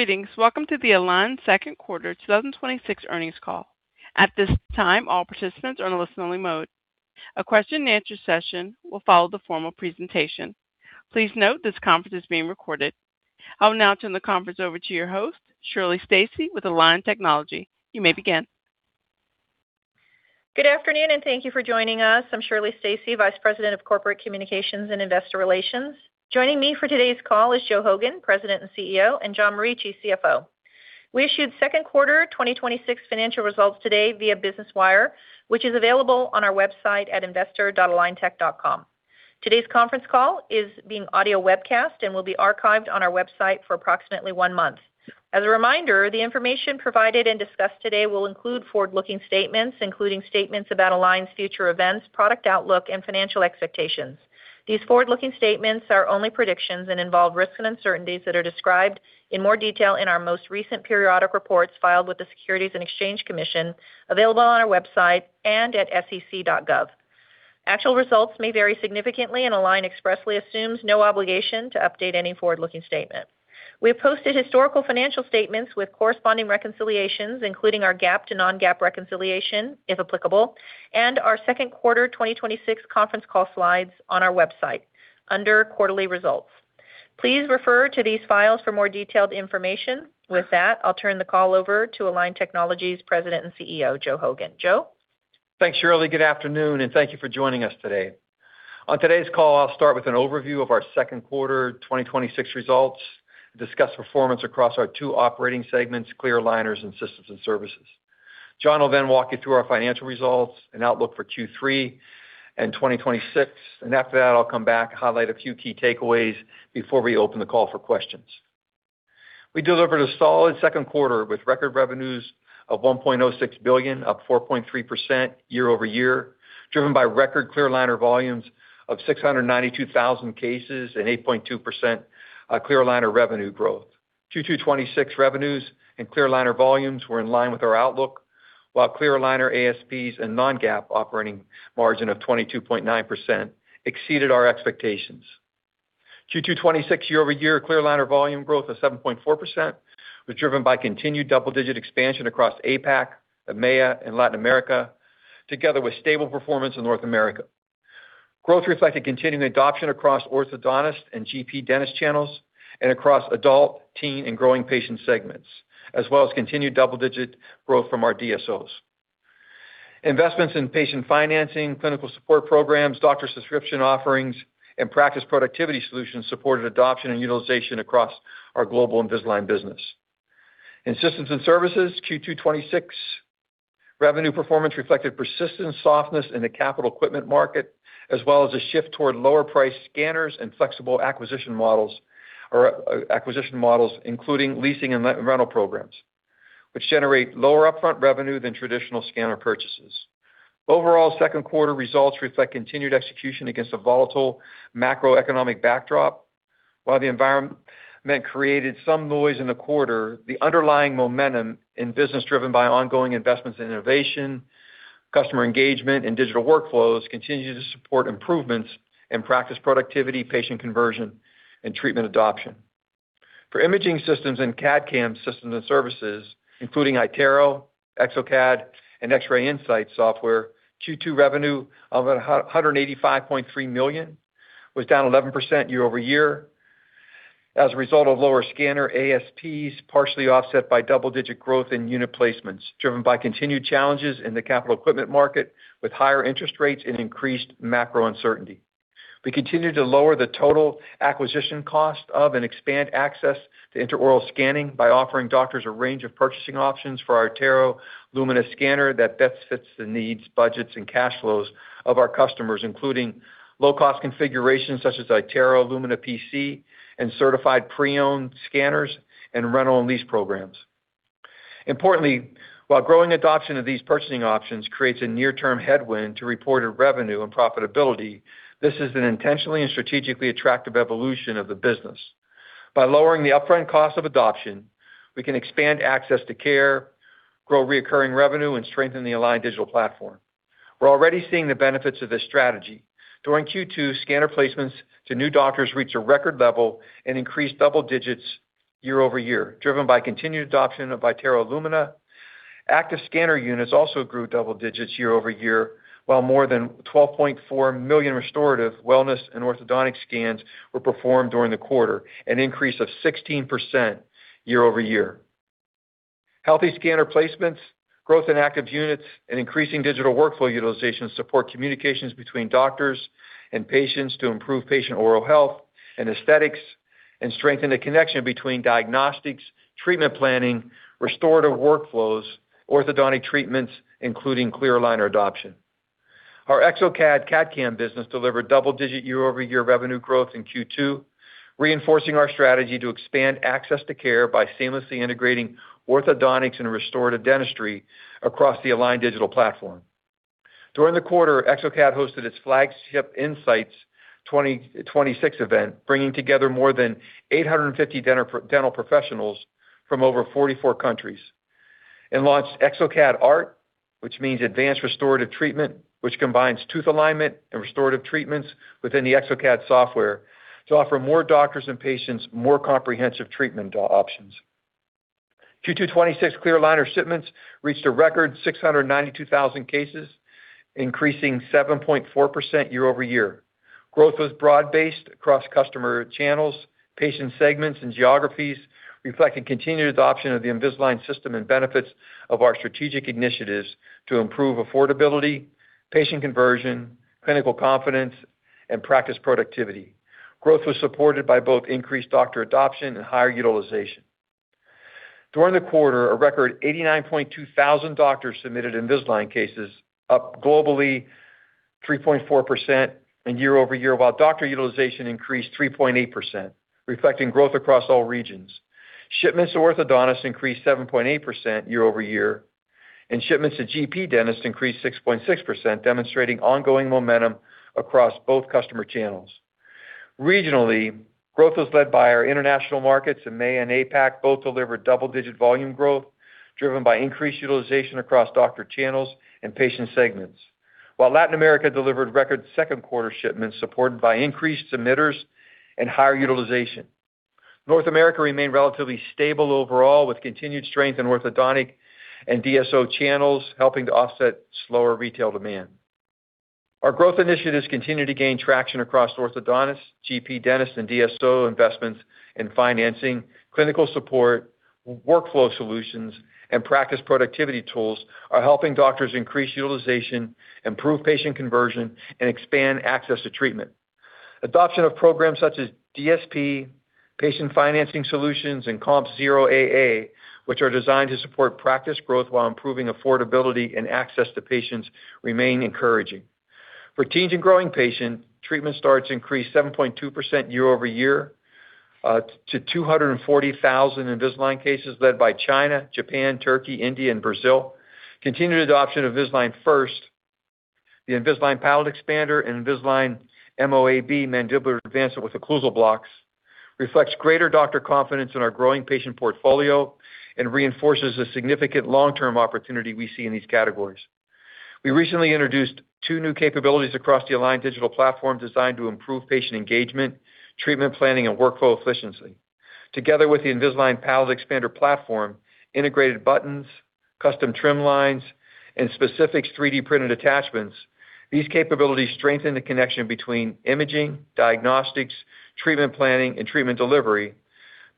Greetings. Welcome to the Align Second Quarter 2026 Earnings Call. At this time, all participants are in listen-only mode. A question-and-answer session will follow the formal presentation. Please note this conference is being recorded. I will now turn the conference over to your host, Shirley Stacy, with Align Technology. You may begin. Good afternoon. Thank you for joining us. I'm Shirley Stacy, Vice President of Corporate Communications and Investor Relations. Joining me for today's call is Joe Hogan, President and CEO, and John Morici, CFO. We issued second quarter 2026 financial results today via Business Wire, which is available on our website at investor.aligntech.com. Today's conference call is being audio webcast and will be archived on our website for approximately one month. As a reminder, the information provided and discussed today will include forward-looking statements, including statements about Align's future events, product outlook, and financial expectations. These forward-looking statements are only predictions and involve risks and uncertainties that are described in more detail in our most recent periodic reports filed with the Securities and Exchange Commission, available on our website and at sec.gov. Actual results may vary significantly, and Align expressly assumes no obligation to update any forward-looking statement. We have posted historical financial statements with corresponding reconciliations, including our GAAP to non-GAAP reconciliation, if applicable, and our second quarter 2026 conference call slides on our website under quarterly results. Please refer to these files for more detailed information. With that, I'll turn the call over to Align Technology's President and Chief Executive Officer, Joe Hogan. Joe? Thanks, Shirley. Good afternoon? Thank you for joining us today. On today's call, I'll start with an overview of our second quarter 2026 results, discuss performance across our two operating segments, clear aligners and systems and services. John will then walk you through our financial results and outlook for Q3 and 2026. After that, I'll come back, highlight a few key takeaways before we open the call for questions. We delivered a solid second quarter with record revenues of $1.06 billion, up 4.3% year-over-year, driven by record clear aligner volumes of 692,000 cases and 8.2% clear aligner revenue growth. Q2 2026 revenues and clear aligner volumes were in line with our outlook, while clear aligner ASPs and non-GAAP operating margin of 22.9% exceeded our expectations. Q2 2026 year-over-year clear aligner volume growth of 7.4% was driven by continued double-digit expansion across APAC, EMEA, and Latin America, together with stable performance in North America. Growth reflected continuing adoption across orthodontist and GP dentist channels and across adult, teen, and growing patient segments, as well as continued double-digit growth from our DSOs. Investments in patient financing, clinical support programs, doctor subscription offerings, and practice productivity solutions supported adoption and utilization across our global Invisalign business. In systems and services, Q2 2026 revenue performance reflected persistent softness in the capital equipment market, as well as a shift toward lower-priced scanners and flexible acquisition models, including leasing and rental programs, which generate lower upfront revenue than traditional scanner purchases. Overall second quarter results reflect continued execution against a volatile macroeconomic backdrop. While the environment created some noise in the quarter, the underlying momentum in business driven by ongoing investments in innovation, customer engagement, and digital workflows continues to support improvements in practice productivity, patient conversion, and treatment adoption. For imaging systems and CAD/CAM systems and services, including iTero, exocad, and Align X-Ray Insight software, Q2 revenue of $185.3 million was down 11% year-over-year as a result of lower scanner ASPs, partially offset by double-digit growth in unit placements driven by continued challenges in the capital equipment market with higher interest rates and increased macro uncertainty. We continue to lower the total acquisition cost of and expand access to intraoral scanning by offering doctors a range of purchasing options for our iTero Lumina scanner that best fits the needs, budgets, and cash flows of our customers, including low-cost configurations such as iTero Lumina PC and certified pre-owned scanners and rental and lease programs. Importantly, while growing adoption of these purchasing options creates a near-term headwind to reported revenue and profitability, this is an intentionally and strategically attractive evolution of the business. By lowering the upfront cost of adoption, we can expand access to care, grow recurring revenue, and strengthen the Align Digital Platform. We are already seeing the benefits of this strategy. During Q2, scanner placements to new doctors reached a record level and increased double digits year-over-year, driven by continued adoption of iTero Lumina. Active scanner units also grew double digits year-over-year, while more than 12.4 million restorative wellness and orthodontic scans were performed during the quarter, an increase of 16% year over year. Healthy scanner placements, growth in active units, and increasing digital workflow utilization support communications between doctors and patients to improve patient oral health and aesthetics and strengthen the connection between diagnostics, treatment planning, restorative workflows, orthodontic treatments, including clear aligner adoption. Our exocad CAD/CAM business delivered double-digit year-over-year revenue growth in Q2, reinforcing our strategy to expand access to care by seamlessly integrating orthodontics and restorative dentistry across the Align Digital Platform. During the quarter, exocad hosted its flagship Insights 2026 event, bringing together more than 850 dental professionals from over 44 countries. Launched exocad ART, which means advanced restorative treatment, which combines tooth alignment and restorative treatments within the exocad software to offer more doctors and patients more comprehensive treatment options. Q2 2026 clear aligner shipments reached a record 692,000 cases, increasing 7.4% year-over-year. Growth was broad-based across customer channels, patient segments, and geographies, reflecting continued adoption of the Invisalign system and benefits of our strategic initiatives to improve affordability, patient conversion, clinical confidence, and practice productivity. Growth was supported by both increased doctor adoption and higher utilization. During the quarter, a record 89.2 thousand doctors submitted Invisalign cases, up globally 3.4% year-over-year, while doctor utilization increased 3.8%, reflecting growth across all regions. Shipments to orthodontists increased 7.8% year-over-year, and shipments to GP dentists increased 6.6%, demonstrating ongoing momentum across both customer channels. Regionally, growth was led by our international markets, EMEA and APAC both delivered double-digit volume growth, driven by increased utilization across doctor channels and patient segments. While Latin America delivered record second-quarter shipments supported by increased submitters and higher utilization. North America remained relatively stable overall, with continued strength in orthodontic and DSO channels helping to offset slower retail demand. Our growth initiatives continue to gain traction across orthodontists, GP dentists, and DSO investments in financing, clinical support, workflow solutions, and practice productivity tools are helping doctors increase utilization, improve patient conversion, and expand access to treatment. Adoption of programs such as DSP, patient financing solutions, and Comp Zero AA, which are designed to support practice growth while improving affordability and access to patients, remain encouraging. For teen and growing patient, treatment starts increased 7.2% year-over-year, to 240,000 Invisalign cases led by China, Japan, Turkey, India, and Brazil. Continued adoption of Invisalign First, the Invisalign Palatal Expander, and Invisalign MOAB, mandibular advancement with occlusal blocks, reflects greater doctor confidence in our growing patient portfolio and reinforces the significant long-term opportunity we see in these categories. We recently introduced two new capabilities across the Align Digital Platform designed to improve patient engagement, treatment planning, and workflow efficiency. Together with the Invisalign Palatal Expander platform, integrated buttons, custom trim lines, and specific 3D printed attachments, these capabilities strengthen the connection between imaging, diagnostics, treatment planning, and treatment delivery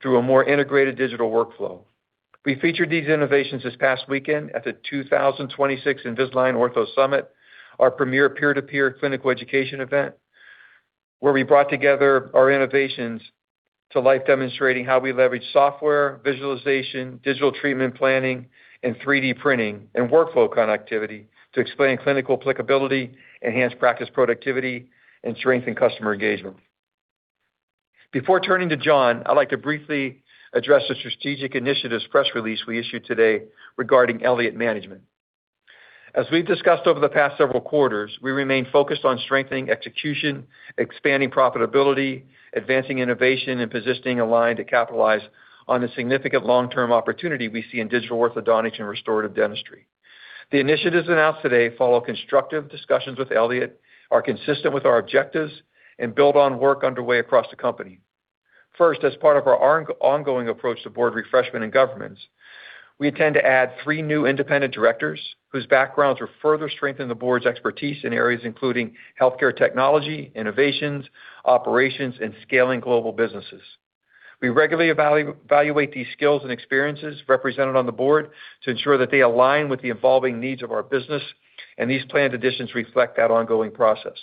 through a more integrated digital workflow. We featured these innovations this past weekend at the 2026 Invisalign Ortho Summit, our premier peer-to-peer clinical education event, where we brought together our innovations to life demonstrating how we leverage software, visualization, digital treatment planning, and 3D printing, and workflow connectivity to explain clinical applicability, enhance practice productivity, and strengthen customer engagement. Before turning to John, I'd like to briefly address the strategic initiatives press release we issued today regarding Elliott Management. As we've discussed over the past several quarters, we remain focused on strengthening execution, expanding profitability, advancing innovation, and positioning Align to capitalize on the significant long-term opportunity we see in digital orthodontics and restorative dentistry. The initiatives announced today follow constructive discussions with Elliott, are consistent with our objectives, and build on work underway across the company. First, as part of our ongoing approach to board refreshment and governance, we intend to add three new independent directors whose backgrounds will further strengthen the board's expertise in areas including healthcare technology, innovations, operations, and scaling global businesses. We regularly evaluate these skills and experiences represented on the board to ensure that they align with the evolving needs of our business, and these planned additions reflect that ongoing process.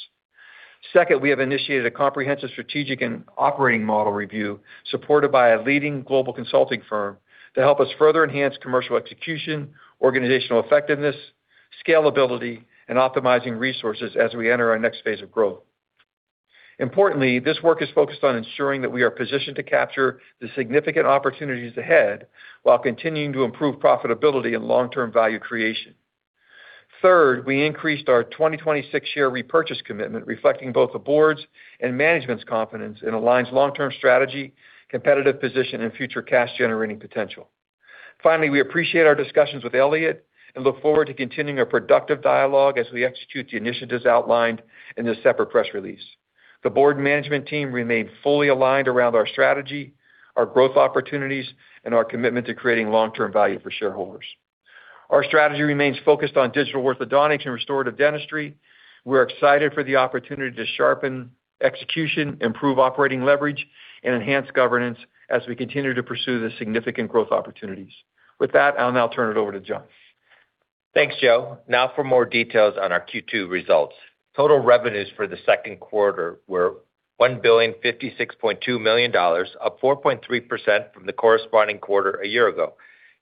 Second, we have initiated a comprehensive strategic and operating model review supported by a leading global consulting firm to help us further enhance commercial execution, organizational effectiveness, scalability, and optimizing resources as we enter our next phase of growth. Importantly, this work is focused on ensuring that we are positioned to capture the significant opportunities ahead while continuing to improve profitability and long-term value creation. Third, we increased our 2026 share repurchase commitment, reflecting both the board's and management's confidence in Align's long-term strategy, competitive position, and future cash-generating potential. Finally, we appreciate our discussions with Elliott and look forward to continuing a productive dialogue as we execute the initiatives outlined in this separate press release. The board management team remain fully aligned around our strategy, our growth opportunities, and our commitment to creating long-term value for shareholders. Our strategy remains focused on digital orthodontics and restorative dentistry. We're excited for the opportunity to sharpen execution, improve operating leverage, and enhance governance as we continue to pursue the significant growth opportunities. With that, I'll now turn it over to John. Thanks, Joe. Now for more details on our Q2 results. Total revenues for the second quarter were $1,056.2 million, up 4.3% from the corresponding quarter a year ago,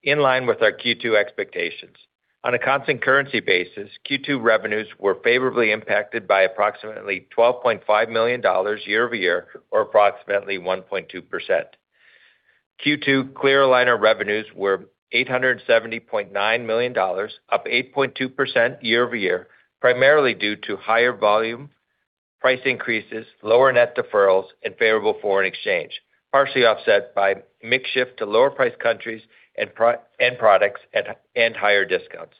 in line with our Q2 expectations. On a constant currency basis, Q2 revenues were favorably impacted by approximately $12.5 million year-over-year, or approximately 1.2%. Q2 clear aligner revenues were $870.9 million, up 8.2% year-over-year, primarily due to higher volume price increases, lower net deferrals, and favorable foreign exchange, partially offset by mix shift to lower price countries and products, and higher discounts.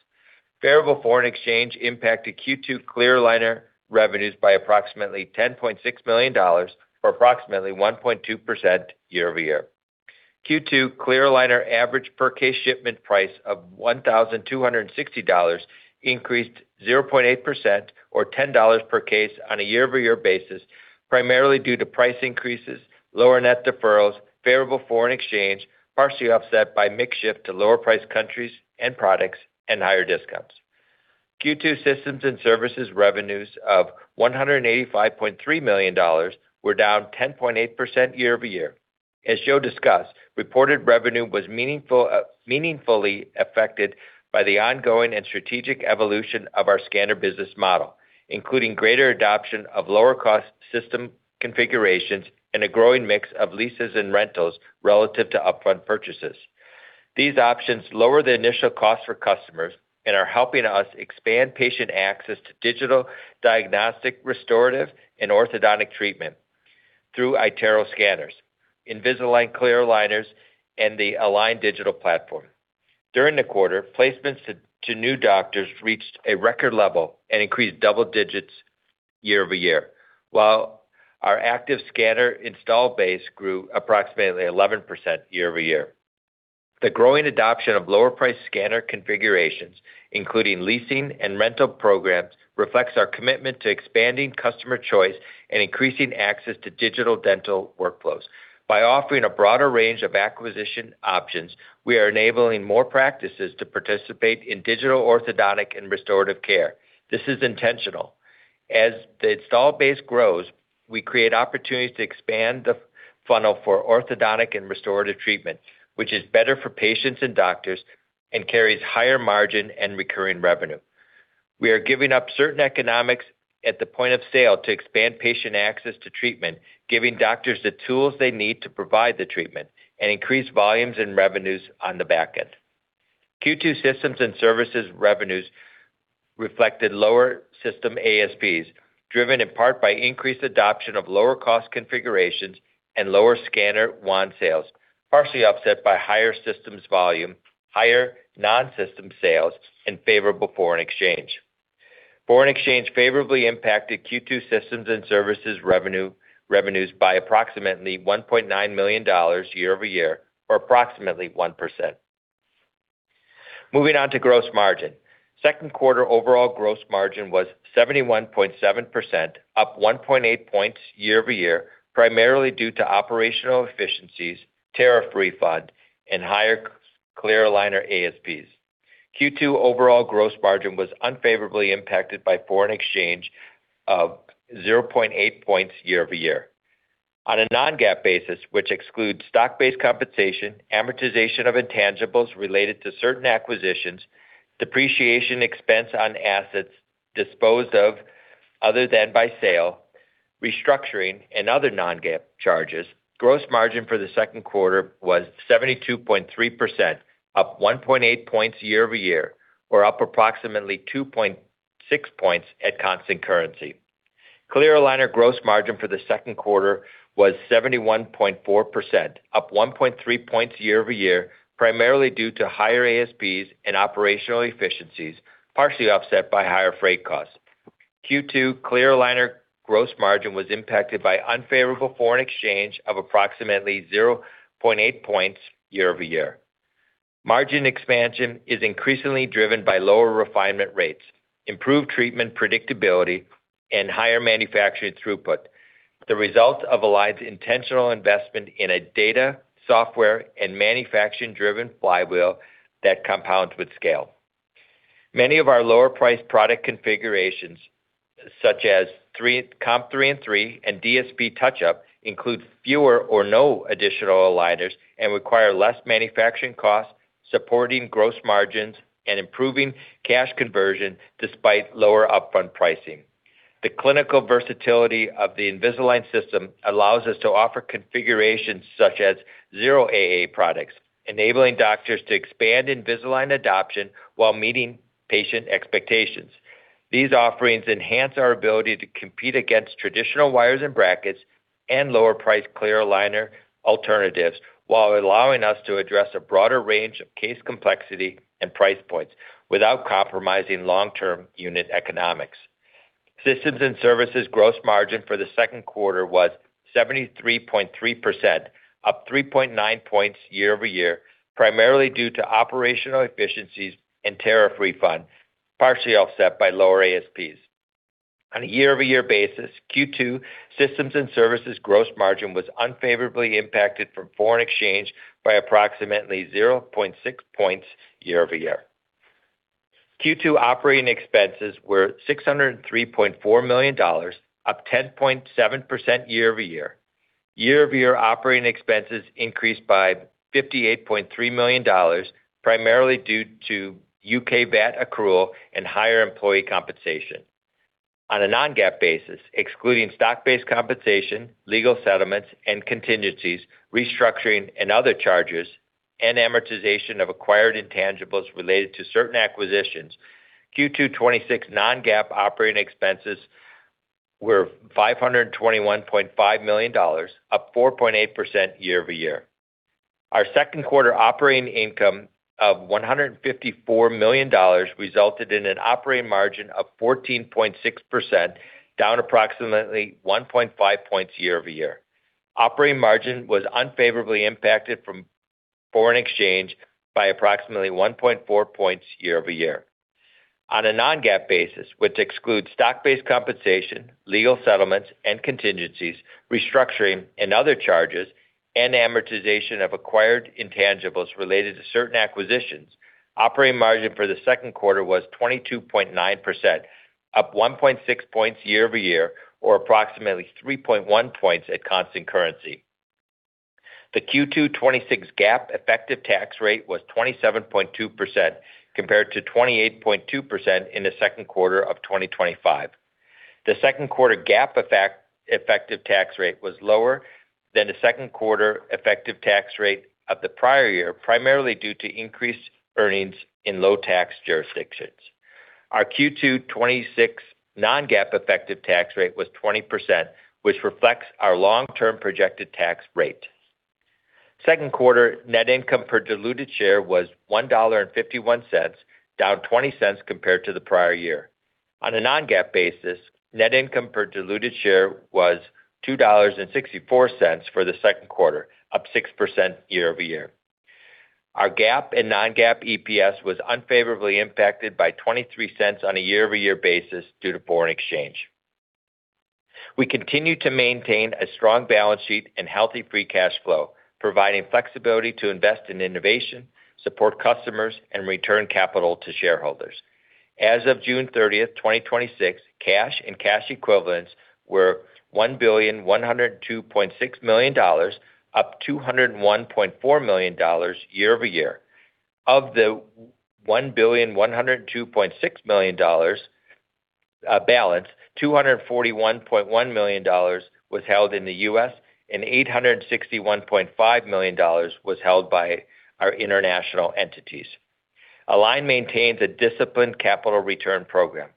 Favorable foreign exchange impacted Q2 clear aligner revenues by approximately $10.6 million, or approximately 1.2% year-over-year. Q2 clear aligner average per-case shipment price of $1,260 increased 0.8%, or $10 per case on a year-over-year basis, primarily due to price increases, lower net deferrals, favorable foreign exchange, partially offset by mix shift to lower price countries and products, and higher discounts. Q2 systems and services revenues of $185.3 million were down 10.8% year-over-year. As Joe discussed, reported revenue was meaningfully affected by the ongoing and strategic evolution of our scanner business model, including greater adoption of lower-cost system configurations and a growing mix of leases and rentals relative to upfront purchases. These options lower the initial cost for customers and are helping us expand patient access to digital diagnostic, restorative, and orthodontic treatment through iTero scanners, Invisalign clear aligners, and the Align Digital Platform. During the quarter, placements to new doctors reached a record level and increased double digits year-over-year, while our active scanner install base grew approximately 11% year-over-year. The growing adoption of lower priced scanner configurations, including leasing and rental programs, reflects our commitment to expanding customer choice and increasing access to digital dental workflows. By offering a broader range of acquisition options, we are enabling more practices to participate in digital orthodontic and restorative care. This is intentional. As the install base grows, we create opportunities to expand the funnel for orthodontic and restorative treatment, which is better for patients and doctors and carries higher margin and recurring revenue. We are giving up certain economics at the point of sale to expand patient access to treatment, giving doctors the tools they need to provide the treatment and increase volumes and revenues on the back end. Q2 systems and services revenues reflected lower system ASPs, driven in part by increased adoption of lower-cost configurations and lower scanner wand sales, partially offset by higher systems volume, higher non-system sales, and favorable foreign exchange. Foreign exchange favorably impacted Q2 systems and services revenues by approximately $1.9 million year-over-year, or approximately 1%. Moving on to gross margin. Second quarter overall gross margin was 71.7%, up 1.8 points year-over-year, primarily due to operational efficiencies, tariff refund, and higher clear aligner ASPs. Q2 overall gross margin was unfavorably impacted by foreign exchange of 0.8 points year-over-year. On a non-GAAP basis, which excludes stock-based compensation, amortization of intangibles related to certain acquisitions, depreciation expense on assets disposed of other than by sale, restructuring, and other non-GAAP charges, gross margin for the second quarter was 72.3%, up 1.8 points year-over-year, or up approximately 2.6 points at constant currency. Clear aligner gross margin for the second quarter was 71.4%, up 1.3 points year-over-year, primarily due to higher ASPs and operational efficiencies, partially offset by higher freight costs. Q2 clear aligner gross margin was impacted by unfavorable foreign exchange of approximately 0.8 points year-over-year. Margin expansion is increasingly driven by lower refinement rates, improved treatment predictability, and higher manufacturing throughput, the result of Align's intentional investment in a data, software, and manufacturing-driven flywheel that compounds with scale. Many of our lower priced product configurations, such as Comp 3 and 3 and DSP Touch-up, include fewer or no additional aligners and require less manufacturing costs, supporting gross margins and improving cash conversion despite lower upfront pricing. The clinical versatility of the Invisalign system allows us to offer configurations such as Zero AA products, enabling doctors to expand Invisalign adoption while meeting patient expectations. These offerings enhance our ability to compete against traditional wires and brackets and lower priced clear aligner alternatives while allowing us to address a broader range of case complexity and price points without compromising long-term unit economics. Systems and services gross margin for the second quarter was 73.3%, up 3.9 points year-over-year, primarily due to operational efficiencies and tariff refund, partially offset by lower ASPs. On a year-over-year basis, Q2 systems and services gross margin was unfavorably impacted from foreign exchange by approximately 0.6 points year-over-year. Q2 operating expenses were $603.4 million, up 10.7% year-over-year. Year-over-year operating expenses increased by $58.3 million, primarily due to U.K. VAT accrual and higher employee compensation. On a non-GAAP basis, excluding stock-based compensation, legal settlements and contingencies, restructuring, and other charges and amortization of acquired intangibles related to certain acquisitions. Q2 2026 non-GAAP operating expenses were $521.5 million, up 4.8% year-over-year. Our second quarter operating income of $154 million resulted in an operating margin of 14.6%, down approximately 1.5 points year-over-year. Operating margin was unfavorably impacted from foreign exchange by approximately 1.4 points year-over-year. On a non-GAAP basis, which excludes stock-based compensation, legal settlements and contingencies, restructuring and other charges, and amortization of acquired intangibles related to certain acquisitions, operating margin for the second quarter was 22.9%, up 1.6 points year-over-year, or approximately 3.1 points at constant currency. The Q2 2026 GAAP effective tax rate was 27.2%, compared to 28.2% in the second quarter of 2025. The second quarter GAAP effective tax rate was lower than the second quarter effective tax rate of the prior year, primarily due to increased earnings in low tax jurisdictions. Our Q2 2026 non-GAAP effective tax rate was 20%, which reflects our long-term projected tax rate. Second quarter net income per diluted share was $1.51, down $0.20 compared to the prior year. On a non-GAAP basis, net income per diluted share was $2.64 for the second quarter, up 6% year-over-year. Our GAAP and non-GAAP EPS was unfavorably impacted by $0.23 on a year-over-year basis due to foreign exchange. We continue to maintain a strong balance sheet and healthy free cash flow, providing flexibility to invest in innovation, support customers, and return capital to shareholders. As of June 30, 2026, cash and cash equivalents were $1,102.6 million, up $201.4 million year-over-year. Of the $1,102.6 million balance, $241.1 million was held in the U.S., and $861.5 million was held by our international entities. Align maintains a disciplined capital return program.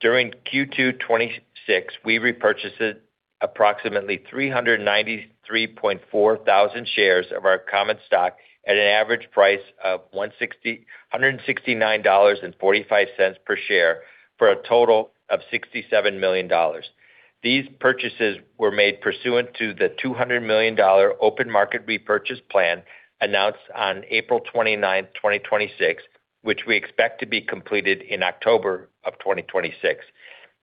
During Q2 2026, we repurchased approximately 393.4 thousand shares of our common stock at an average price of $169.45 per share for a total of $67 million. These purchases were made pursuant to the $200 million open market repurchase plan announced on April 29, 2026, which we expect to be completed in October of 2026.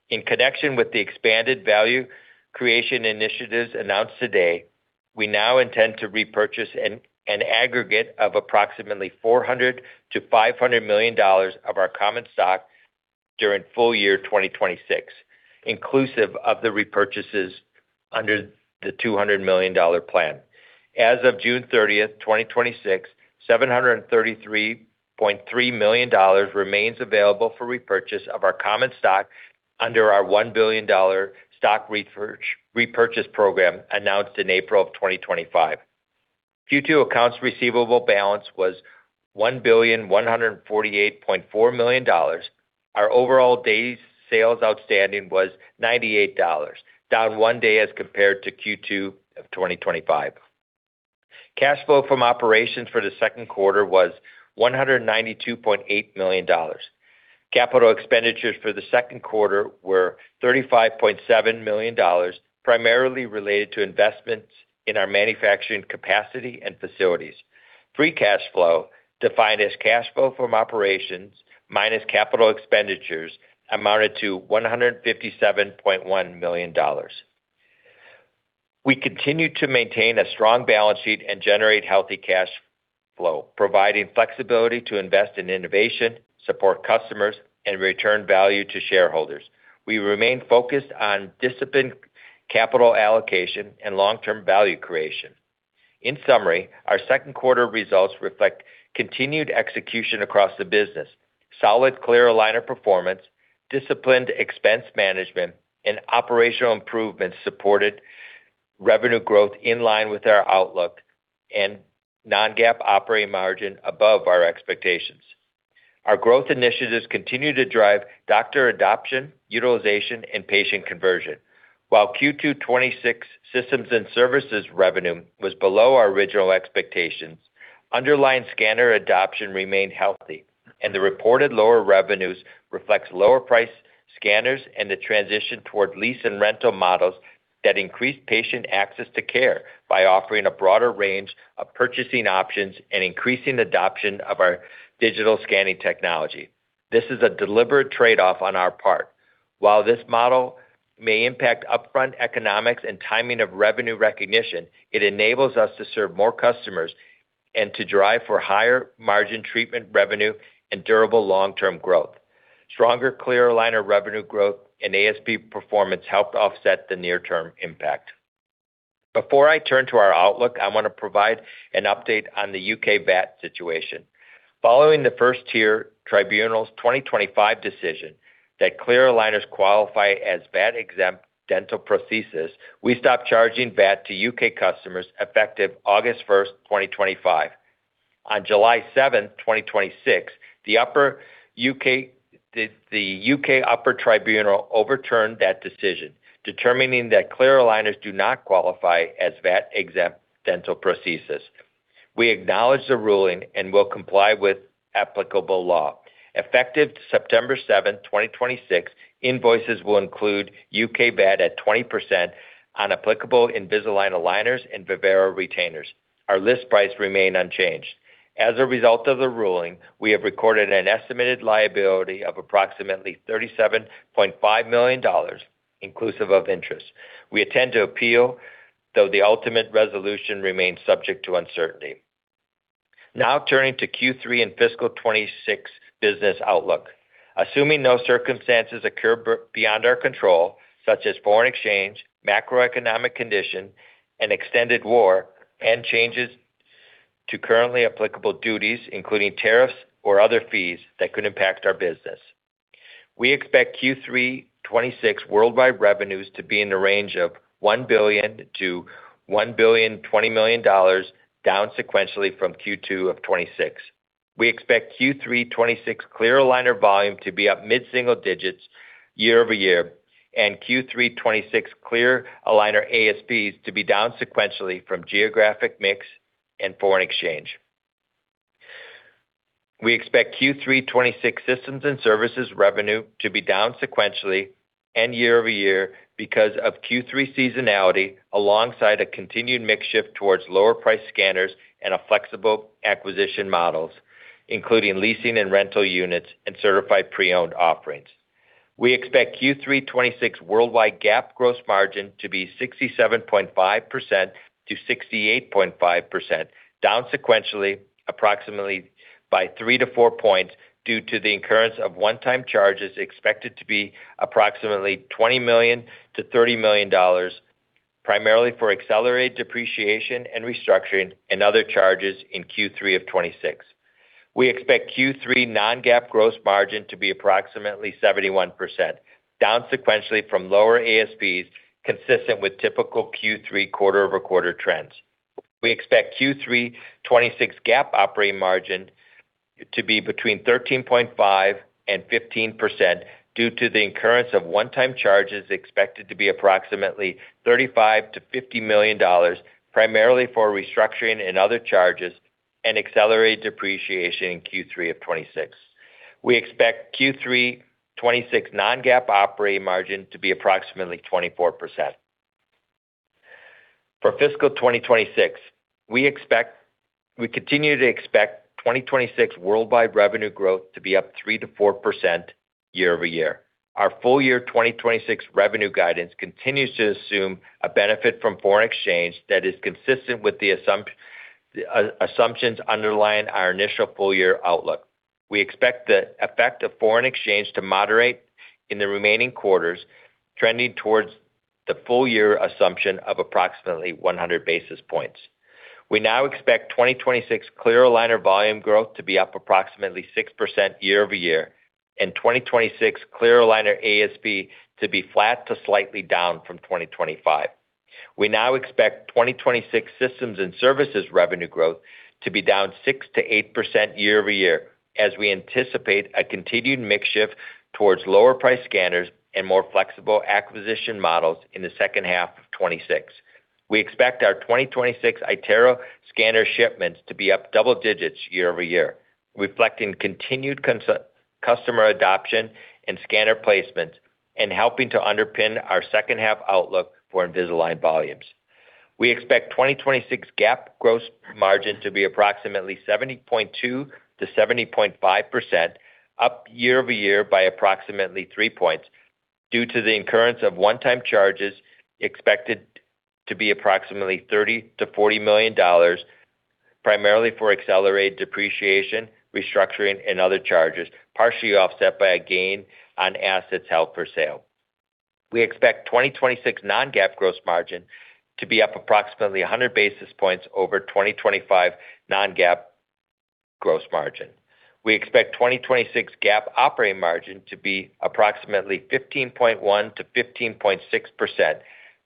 In connection with the expanded value creation initiatives announced today, we now intend to repurchase an aggregate of approximately $400 million-$500 million of our common stock during full year 2026, inclusive of the repurchases under the $200 million plan. As of June 30, 2026, $733.3 million remains available for repurchase of our common stock under our $1 billion stock repurchase program announced in April of 2025. Q2 accounts receivable balance was $1,148.4 million. Our overall days sales outstanding was $98, down one day as compared to Q2 of 2025. Cash flow from operations for the second quarter was $192.8 million. Capital expenditures for the second quarter were $35.7 million, primarily related to investments in our manufacturing capacity and facilities. Free cash flow, defined as cash flow from operations minus capital expenditures, amounted to $157.1 million. We continue to maintain a strong balance sheet and generate healthy cash flow, providing flexibility to invest in innovation, support customers, and return value to shareholders. We remain focused on disciplined capital allocation and long-term value creation. In summary, our second quarter results reflect continued execution across the business. Solid clear aligner performance, disciplined expense management, and operational improvements supported revenue growth in line with our outlook and non-GAAP operating margin above our expectations. Our growth initiatives continue to drive doctor adoption, utilization, and patient conversion. While Q2 2026 systems and services revenue was below our original expectations, underlying scanner adoption remained healthy, and the reported lower revenues reflects lower-priced scanners and the transition toward lease and rental models that increase patient access to care by offering a broader range of purchasing options and increasing adoption of our digital scanning technology. This is a deliberate trade-off on our part. While this model may impact upfront economics and timing of revenue recognition, it enables us to serve more customers and to drive for higher margin treatment revenue and durable long-term growth. Stronger clear aligner revenue growth and ASP performance helped offset the near-term impact. Before I turn to our outlook, I want to provide an update on the U.K. VAT situation. Following the First-tier Tribunal's 2025 decision that clear aligners qualify as VAT-exempt dental prosthesis, we stopped charging VAT to U.K. customers effective August 1, 2025. On July 7, 2026, the U.K. Upper Tribunal overturned that decision, determining that clear aligners do not qualify as VAT-exempt dental prosthesis. We acknowledge the ruling and will comply with applicable law. Effective September 7, 2026, invoices will include U.K. VAT at 20% on applicable Invisalign aligners and Vivera retainers. Our list price remain unchanged. As a result of the ruling, we have recorded an estimated liability of approximately $37.5 million, inclusive of interest. We intend to appeal, though the ultimate resolution remains subject to uncertainty. Turning to Q3 and fiscal 2026 business outlook. Assuming no circumstances occur beyond our control, such as foreign exchange, macroeconomic condition, and extended war, and changes to currently applicable duties, including tariffs or other fees that could impact our business. We expect Q3 2026 worldwide revenues to be in the range of $1 billion-$1.02 billion, down sequentially from Q2 2026. We expect Q3 2026 clear aligner volume to be up mid-single digits year-over-year, and Q3 2026 clear aligner ASPs to be down sequentially from geographic mix and foreign exchange. We expect Q3 2026 systems and services revenue to be down sequentially and year-over-year because of Q3 seasonality, alongside a continued mix shift towards lower-priced scanners and flexible acquisition models, including leasing and rental units and certified pre-owned offerings. We expect Q3 2026 worldwide GAAP gross margin to be 67.5%-68.5%, down sequentially approximately by three to four points due to the incurrence of one-time charges expected to be approximately $20 million-$30 million, primarily for accelerated depreciation and restructuring and other charges in Q3 2026. We expect Q3 non-GAAP gross margin to be approximately 71%, down sequentially from lower ASPs consistent with typical Q3 quarter-over-quarter trends. We expect Q3 2026 GAAP operating margin to be between 13.5% and 15% due to the incurrence of one-time charges expected to be approximately $35 million-$50 million, primarily for restructuring and other charges and accelerated depreciation in Q3 2026. We expect Q3 2026 non-GAAP operating margin to be approximately 24%. For fiscal 2026, we continue to expect 2026 worldwide revenue growth to be up 3%-4% year-over-year. Our full year 2026 revenue guidance continues to assume a benefit from foreign exchange that is consistent with the assumptions underlying our initial full-year outlook. We expect the effect of foreign exchange to moderate in the remaining quarters, trending towards the full year assumption of approximately 100 basis points. We now expect 2026 clear aligner volume growth to be up approximately 6% year-over-year, and 2026 clear aligner ASP to be flat to slightly down from 2025. We now expect 2026 systems and services revenue growth to be down 6%-8% year-over-year, as we anticipate a continued mix shift towards lower-priced scanners and more flexible acquisition models in the second half of 2026. We expect our 2026 iTero scanner shipments to be up double digits year-over-year, reflecting continued customer adoption and scanner placements and helping to underpin our second half outlook for Invisalign volumes. We expect 2026 GAAP gross margin to be approximately 70.2%-70.5%, up year-over-year by approximately three points due to the incurrence of one-time charges expected to be approximately $30 million-$40 million, primarily for accelerated depreciation, restructuring, and other charges, partially offset by a gain on assets held for sale. We expect 2026 non-GAAP gross margin to be up approximately 100 basis points over 2025 non-GAAP gross margin. We expect 2026 GAAP operating margin to be approximately 15.1%-15.6%,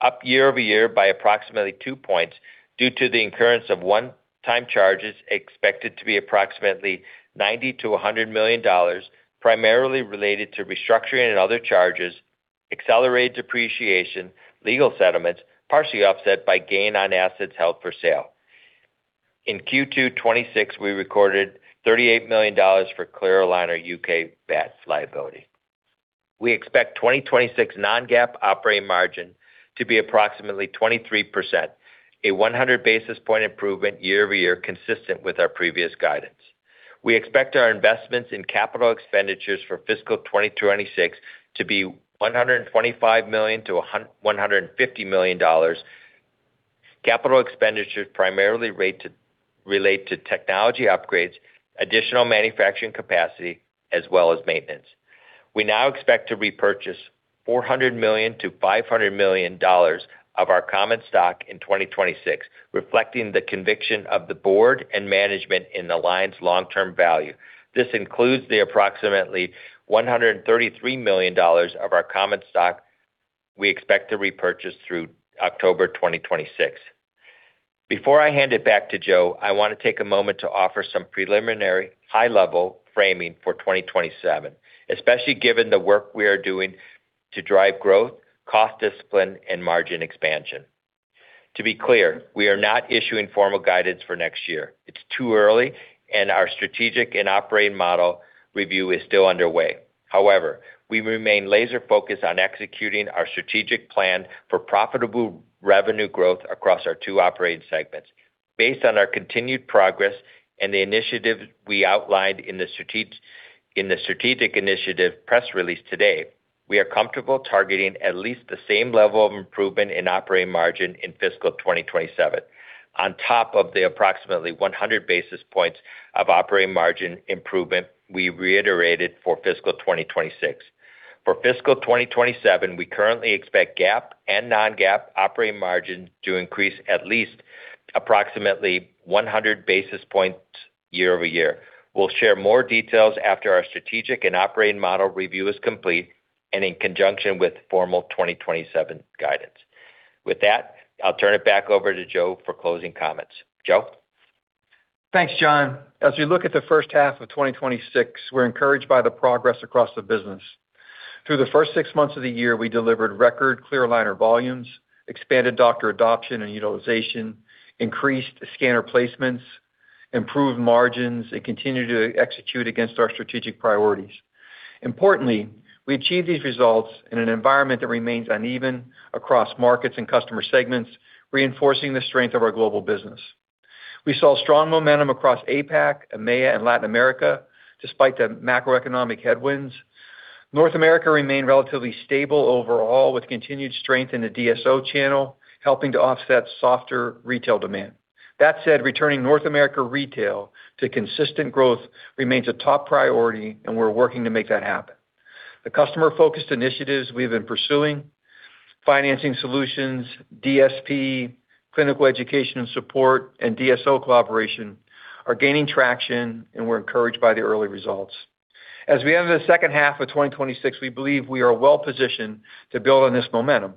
up year-over-year by approximately two points due to the incurrence of one-time charges expected to be approximately $90 million-$100 million, primarily related to restructuring and other charges, accelerated depreciation, legal settlements, partially offset by gain on assets held for sale. In Q2 2026, we recorded $38 million for clear aligner U.K. VAT liability. We expect 2026 non-GAAP operating margin to be approximately 23%, a 100 basis point improvement year-over-year consistent with our previous guidance. We expect our investments in capital expenditures for fiscal 2026 to be $125 million-$150 million. Capital expenditures primarily relate to technology upgrades, additional manufacturing capacity, as well as maintenance. We now expect to repurchase $400 million-$500 million of our common stock in 2026, reflecting the conviction of the board and management in Align's long-term value. This includes the approximately $133 million of our common stock we expect to repurchase through October 2026. Before I hand it back to Joe, I want to take a moment to offer some preliminary high-level framing for 2027, especially given the work we are doing to drive growth, cost discipline, and margin expansion. To be clear, we are not issuing formal guidance for next year. It's too early and our strategic and operating model review is still underway. However, we remain laser focused on executing our strategic plan for profitable revenue growth across our two operating segments. Based on our continued progress and the initiatives we outlined in the strategic initiative press release today, we are comfortable targeting at least the same level of improvement in operating margin in fiscal 2027, on top of the approximately 100 basis points of operating margin improvement we reiterated for fiscal 2026. For fiscal 2027, we currently expect GAAP and non-GAAP operating margin to increase at least approximately 100 basis points year-over-year. We'll share more details after our strategic and operating model review is complete, and in conjunction with formal 2027 guidance. With that, I'll turn it back over to Joe for closing comments. Joe? Thanks, John. As we look at the first half of 2026, we're encouraged by the progress across the business. Through the first six months of the year, we delivered record clear aligner volumes, expanded doctor adoption and utilization, increased scanner placements, improved margins, and continued to execute against our strategic priorities. Importantly, we achieved these results in an environment that remains uneven across markets and customer segments, reinforcing the strength of our global business. We saw strong momentum across APAC, EMEA, and Latin America, despite the macroeconomic headwinds. North America remained relatively stable overall, with continued strength in the DSO channel, helping to offset softer retail demand. That said, returning North America Retail to consistent growth remains a top priority, and we're working to make that happen. The customer-focused initiatives we've been pursuing, financing solutions, DSP, clinical education and support, and DSO collaboration, are gaining traction, and we're encouraged by the early results. As we enter the second half of 2026, we believe we are well-positioned to build on this momentum.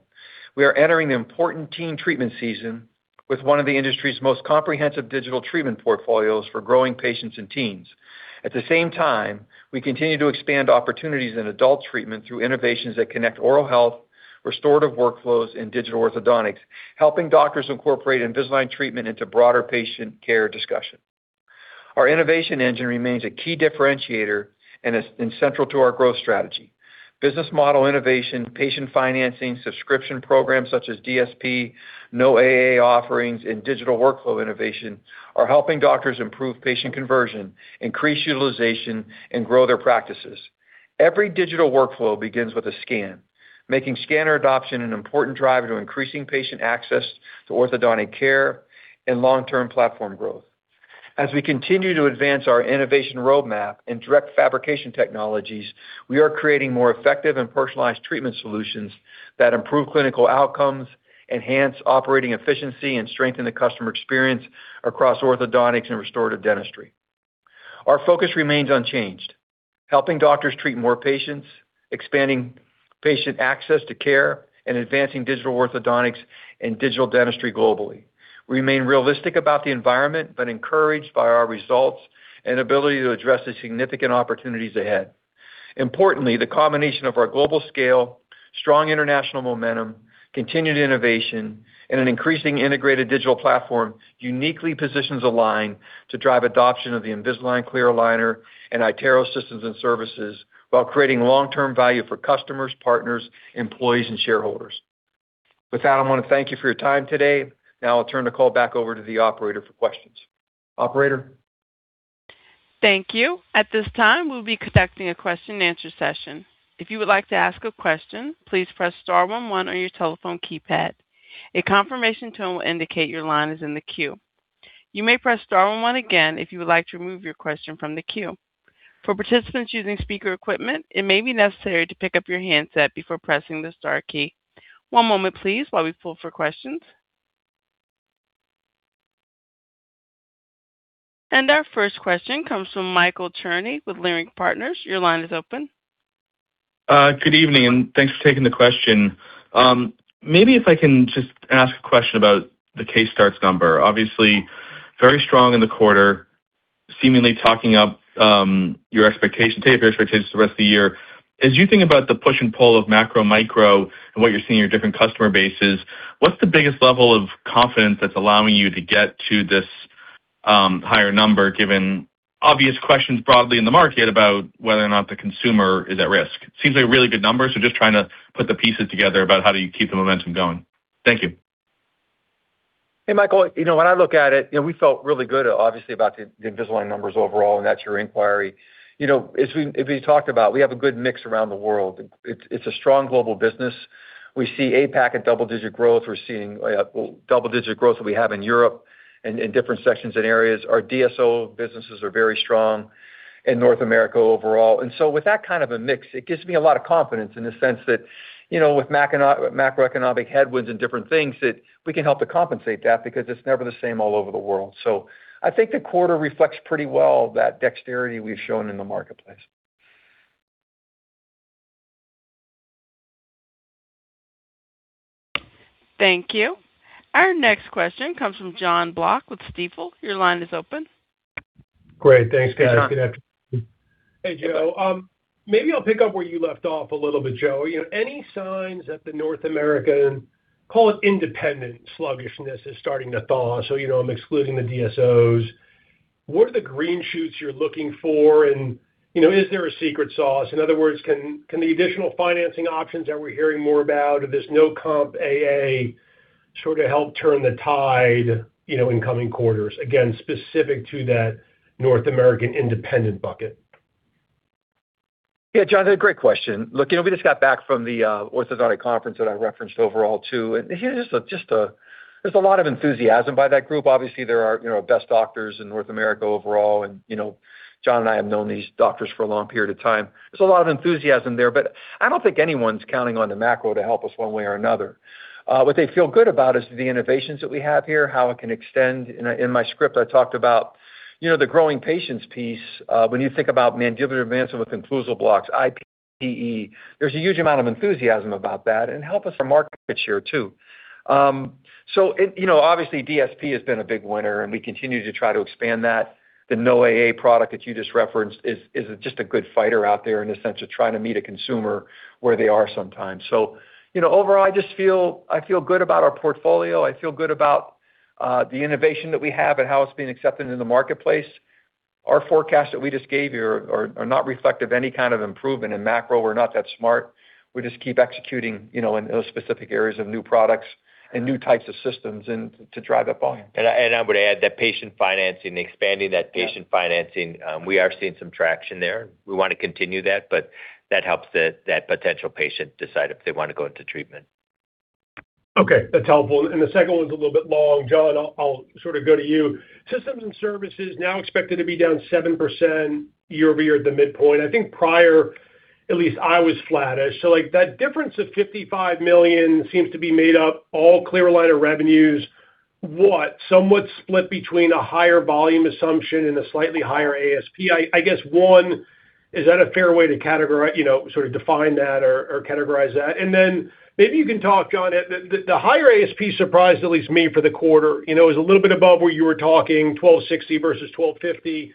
We are entering the important teen treatment season with one of the industry's most comprehensive digital treatment portfolios for growing patients and teens. At the same time, we continue to expand opportunities in adult treatment through innovations that connect oral health, restorative workflows, and digital orthodontics, helping doctors incorporate Invisalign treatment into broader patient care discussion. Our innovation engine remains a key differentiator and is central to our growth strategy. Business model innovation, patient financing, subscription programs such as DSP, no AA offerings, and digital workflow innovation are helping doctors improve patient conversion, increase utilization, and grow their practices. Every digital workflow begins with a scan, making scanner adoption an important driver to increasing patient access to orthodontic care and long-term platform growth. As we continue to advance our innovation roadmap and direct fabrication technologies, we are creating more effective and personalized treatment solutions that improve clinical outcomes, enhance operating efficiency, and strengthen the customer experience across orthodontics and restorative dentistry. Our focus remains unchanged: helping doctors treat more patients, expanding patient access to care, and advancing digital orthodontics and digital dentistry globally. We remain realistic about the environment, but encouraged by our results and ability to address the significant opportunities ahead. Importantly, the combination of our global scale, strong international momentum, continued innovation, and an increasing integrated digital platform uniquely positions Align to drive adoption of the Invisalign clear aligner and iTero systems and services while creating long-term value for customers, partners, employees, and shareholders. With that, I want to thank you for your time today. I'll turn the call back over to the operator for questions. Operator? Thank you. At this time, we'll be conducting a question-and-answer session. If you would like to ask a question, please press star one one on your telephone keypad. A confirmation tone will indicate your line is in the queue. You may press star one one again if you would like to remove your question from the queue. For participants using speaker equipment, it may be necessary to pick up your handset before pressing the star key. One moment please while we pull for questions. Our first question comes from Michael Cherny with Leerink Partners, your line is open. Good evening, thanks for taking the question. Maybe if I can just ask a question about the case starts number. Obviously very strong in the quarter, seemingly talking up your expectation for the rest of the year. As you think about the push and pull of macro/micro and what you're seeing in your different customer bases, what's the biggest level of confidence that's allowing you to get to this higher number, given obvious questions broadly in the market about whether or not the consumer is at risk? Seems like really good numbers, just trying to put the pieces together about how do you keep the momentum going. Thank you. Hey, Michael. When I look at it, we felt really good, obviously, about the Invisalign numbers overall, that's your inquiry. As we talked about, we have a good mix around the world. It's a strong global business. We see APAC at double-digit growth. We're seeing double-digit growth that we have in Europe and in different sections and areas. Our DSO businesses are very strong in North America overall. With that kind of a mix, it gives me a lot of confidence in the sense that with macroeconomic headwinds and different things, that we can help to compensate that because it's never the same all over the world. I think the quarter reflects pretty well that dexterity we've shown in the marketplace. Thank you. Our next question comes from Jon Block with Stifel, your line is open. Great. Thanks, guys. Good afternoon? Hey, Joe, maybe I'll pick up where you left off a little bit, Joe. Any signs that the North American, call it independent sluggishness, is starting to thaw? I'm excluding the DSOs. What are the green shoots you're looking for? Is there a secret sauce? In other words, can the additional financing options that we're hearing more about, this no comp AA, sort of help turn the tide in coming quarters, again, specific to that North American independent bucket? Yeah, Jon, great question. Look, we just got back from the orthodontic conference that I referenced overall, too. There's a lot of enthusiasm by that group. Obviously, there are best doctors in North America overall, and John and I have known these doctors for a long period of time. There's a lot of enthusiasm there, but I don't think anyone's counting on the macro to help us one way or another. What they feel good about is the innovations that we have here, how it can extend. In my script, I talked about the growing patients piece. When you think about mandibular advancement with occlusal blocks, IPE, there's a huge amount of enthusiasm about that and help us from market share, too. Obviously, DSP has been a big winner, and we continue to try to expand that. The no-AA product that you just referenced is just a good fighter out there in the sense of trying to meet a consumer where they are sometimes. Overall, I just feel good about our portfolio. I feel good about the innovation that we have and how it's being accepted in the marketplace. Our forecasts that we just gave you are not reflective of any kind of improvement in macro. We're not that smart. We just keep executing in those specific areas of new products and new types of systems to drive up volume. I would add that patient financing, expanding that patient financing, we are seeing some traction there. We want to continue that, but that helps that potential patient decide if they want to go into treatment. Okay, that's helpful. The second one's a little bit long. John, I'll go to you. Systems and services now expected to be down 7% year-over-year at the midpoint. I think prior, at least I was flattish. That difference of $55 million seems to be made up all clear aligner revenues. Somewhat split between a higher volume assumption and a slightly higher ASP. One, is that a fair way to sort of define that or categorize that? Then maybe you can talk, John, the higher ASP surprised at least me for the quarter. It was a little bit above where you were talking $1,260 versus $1,250.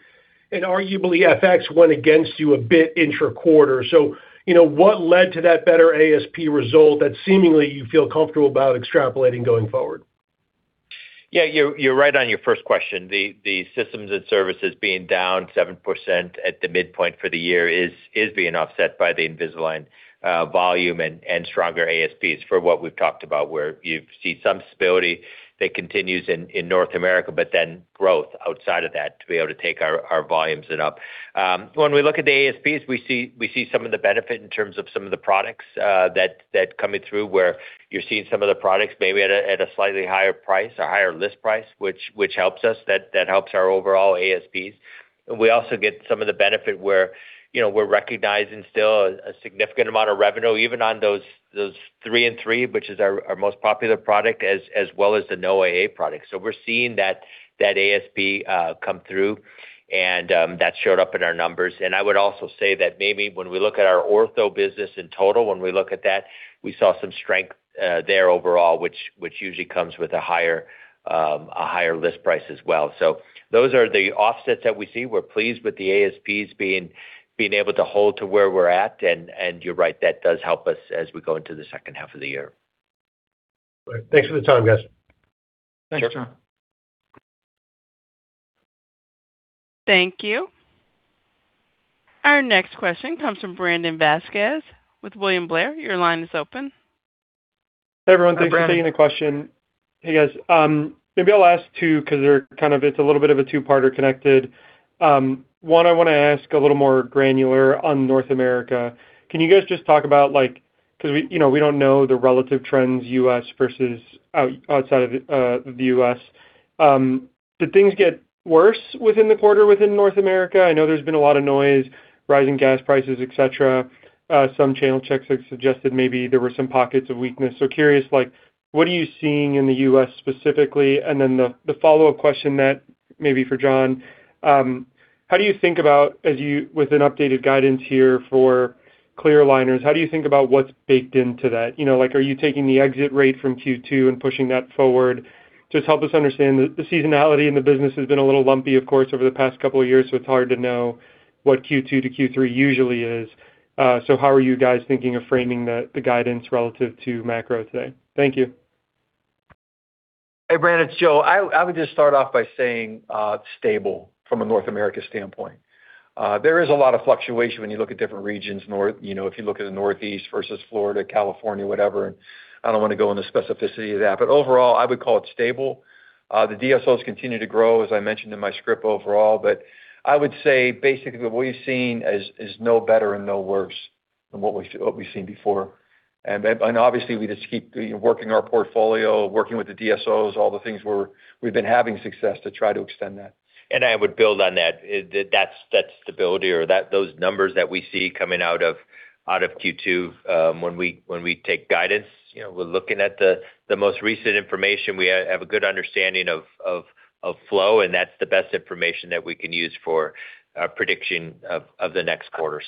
Arguably, FX went against you a bit intra-quarter. What led to that better ASP result that seemingly you feel comfortable about extrapolating going forward? You're right on your first question. The systems and services being down 7% at the midpoint for the year is being offset by the Invisalign volume and stronger ASPs for what we've talked about, where you see some stability that continues in North America, then growth outside of that to be able to take our volumes up. When we look at the ASPs, we see some of the benefit in terms of some of the products that coming through where you're seeing some of the products maybe at a slightly higher price or higher list price, which helps us. That helps our overall ASPs. We also get some of the benefit where we're recognizing still a significant amount of revenue, even on those Invisalign Comprehensive 3 and 3, which is our most popular product, as well as the no-AA product. We're seeing that ASP come through, that showed up in our numbers. I would also say that maybe when we look at our ortho business in total, when we look at that, we saw some strength there overall, which usually comes with a higher list price as well. Those are the offsets that we see. We're pleased with the ASPs being able to hold to where we're at, you're right, that does help us as we go into the second half of the year. Great. Thanks for the time, guys. Sure. Thanks, John. Thank you. Our next question comes from Brandon Vazquez with William Blair, your line is open. Hey, everyone? Hi, Brandon. Thanks for taking the question. Hey, guys. Maybe I'll ask two, because it's a little bit of a two-parter connected. One, I want to ask a little more granular on North America. Can you guys just talk about, like, because we don't know the relative trends U.S. versus outside of the U.S. Did things get worse within the quarter within North America? I know there's been a lot of noise, rising gas prices, et cetera. Some channel checks have suggested maybe there were some pockets of weakness. Curious, what are you seeing in the U.S. specifically? The follow-up question then maybe for John, with an updated guidance here for clear aligners, how do you think about what's baked into that? Are you taking the exit rate from Q2 and pushing that forward? Just help us understand. The seasonality in the business has been a little lumpy, of course, over the past couple of years, so it's hard to know what Q2 to Q3 usually is. How are you guys thinking of framing the guidance relative to macro today? Thank you. Hey, Brandon, it's Joe. I would just start off by saying stable from a North America standpoint. There is a lot of fluctuation when you look at different regions, if you look at the Northeast versus Florida, California, whatever. I don't want to go into specificity of that. Overall, I would call it stable. The DSOs continue to grow, as I mentioned in my script overall. I would say basically what we've seen is no better and no worse than what we've seen before. Obviously, we just keep working our portfolio, working with the DSOs, all the things where we've been having success to try to extend that. I would build on that. That stability or those numbers that we see coming out of Out of Q2, when we take guidance, we're looking at the most recent information. We have a good understanding of flow, and that's the best information that we can use for prediction of the next quarter.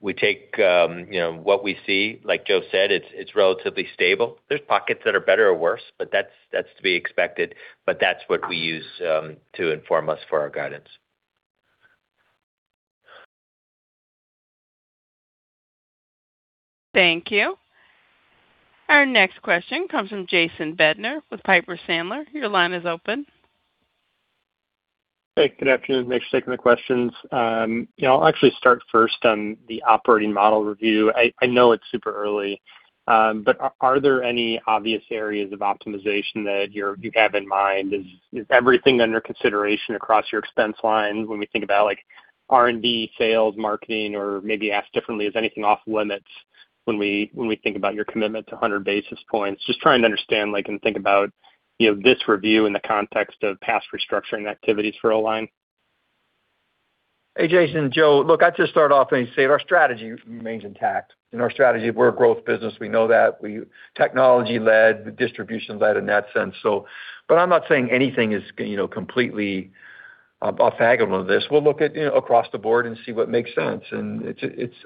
We take what we see. Like Joe said, it's relatively stable. There's pockets that are better or worse, but that's to be expected. That's what we use to inform us for our guidance. Thank you. Our next question comes from Jason Bednar with Piper Sandler, your line is open. Hey, good afternoon? Thanks for taking the questions. I'll actually start first on the operating model review. I know it's super early. Are there any obvious areas of optimization that you have in mind? Is everything under consideration across your expense line when we think about R&D, sales, marketing? Maybe asked differently, is anything off-limits when we think about your commitment to 100 basis points? Just trying to understand and think about this review in the context of past restructuring activities for Align. Hey, Jason. Joe. Look, I'll just start off and say our strategy remains intact and our strategy, we're a growth business, we know that. We technology led, distribution led in that sense. I'm not saying anything is completely off of this. We'll look at across the board and see what makes sense, and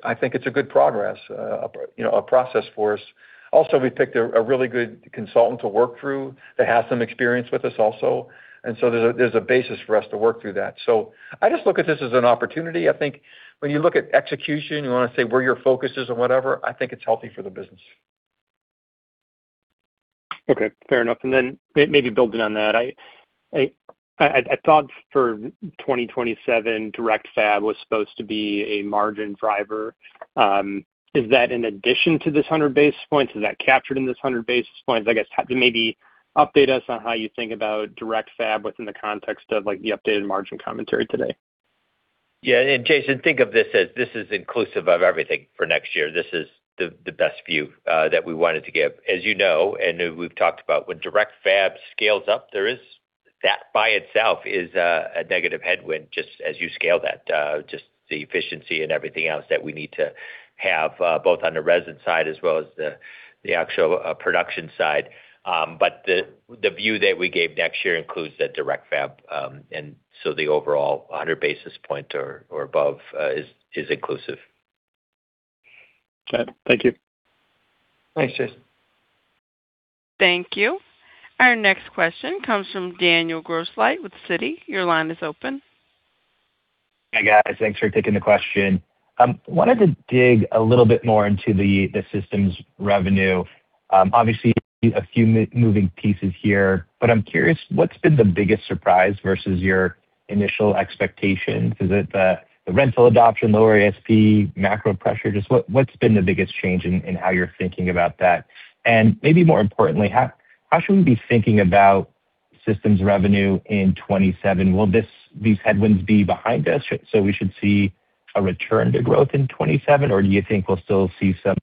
I think it's a good progress, a process for us. We picked a really good consultant to work through that has some experience with this also. There's a basis for us to work through that. I just look at this as an opportunity. I think when you look at execution, you want to say where your focus is or whatever, I think it's healthy for the business. Okay, fair enough. Then maybe building on that, I thought for 2027, direct fabrication was supposed to be a margin driver. Is that in addition to this 100 basis points? Is that captured in this 100 basis points? I guess, maybe update us on how you think about direct fabrication within the context of the updated margin commentary today. Yeah. Jason, think of this as this is inclusive of everything for next year. This is the best view that we wanted to give. As you know, and we've talked about, when direct fabrication scales up, that by itself is a negative headwind, just as you scale that, just the efficiency and everything else that we need to have, both on the resin side as well as the actual production side. The view that we gave next year includes that direct fabrication, the overall 100 basis points or above is inclusive. Got it. Thank you. Thanks, Jason. Thank you. Our next question comes from Daniel Grosslight with Citi, your line is open. Hey, guys? Thanks for taking the question. Wanted to dig a little bit more into the systems revenue. Obviously, a few moving pieces here. I'm curious, what's been the biggest surprise versus your initial expectations? Is it the rental adoption, lower ASP, macro pressure? Just what's been the biggest change in how you're thinking about that? Maybe more importantly, how should we be thinking about systems revenue in 2027? Will these headwinds be behind us, so we should see a return to growth in 2027? Do you think we'll still see some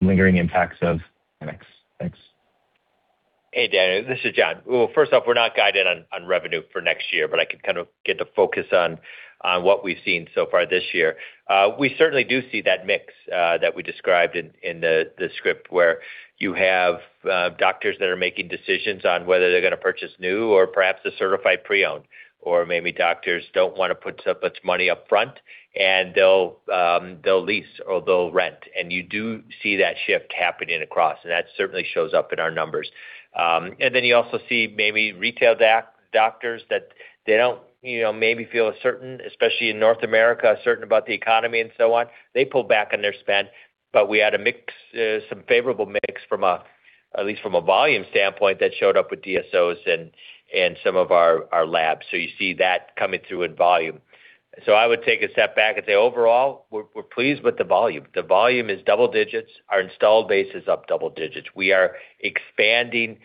lingering impacts of mix? Thanks. Hey, Daniel. This is John. First off, we're not guided on revenue for next year, but I can kind of get to focus on what we've seen so far this year. We certainly do see that mix that we described in the script where you have doctors that are making decisions on whether they're going to purchase new or perhaps a certified pre-owned, or maybe doctors don't want to put so much money up front, and they'll lease or they'll rent. You do see that shift happening across, and that certainly shows up in our numbers. You also see maybe retail doctors that they don't maybe feel as certain, especially in North America, certain about the economy and so on. They pull back on their spend. We had some favorable mix, at least from a volume standpoint, that showed up with DSOs and some of our labs. You see that coming through in volume. I would take a step back and say, overall, we're pleased with the volume. The volume is double digits. Our installed base is up double digits. We are expanding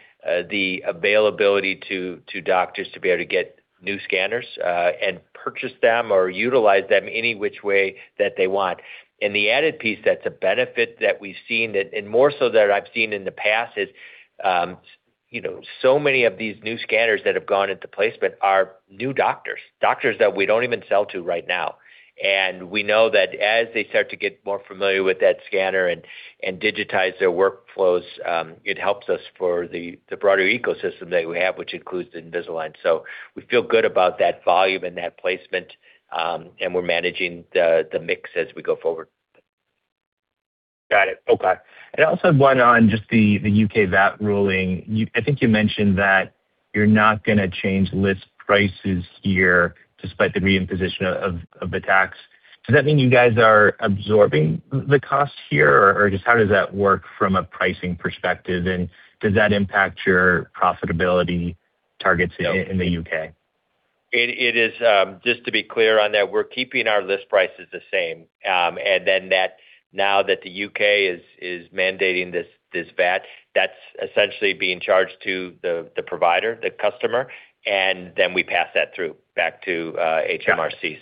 the availability to doctors to be able to get new scanners and purchase them or utilize them any which way that they want. The added piece that's a benefit that we've seen, and more so that I've seen in the past, is so many of these new scanners that have gone into placement are new doctors that we don't even sell to right now. We know that as they start to get more familiar with that scanner and digitize their workflows, it helps us for the broader ecosystem that we have, which includes the Invisalign. We feel good about that volume and that placement, and we're managing the mix as we go forward. Got it. Okay. I also had one on just the U.K. VAT ruling. I think you mentioned that you're not going to change list prices here despite the reimposition of the tax. Does that mean you guys are absorbing the cost here, or just how does that work from a pricing perspective? Does that impact your profitability targets in the U.K.? Just to be clear on that, we're keeping our list prices the same. Now that the U.K. is mandating this VAT, that's essentially being charged to the provider, the customer, and then we pass that through back to HMRC.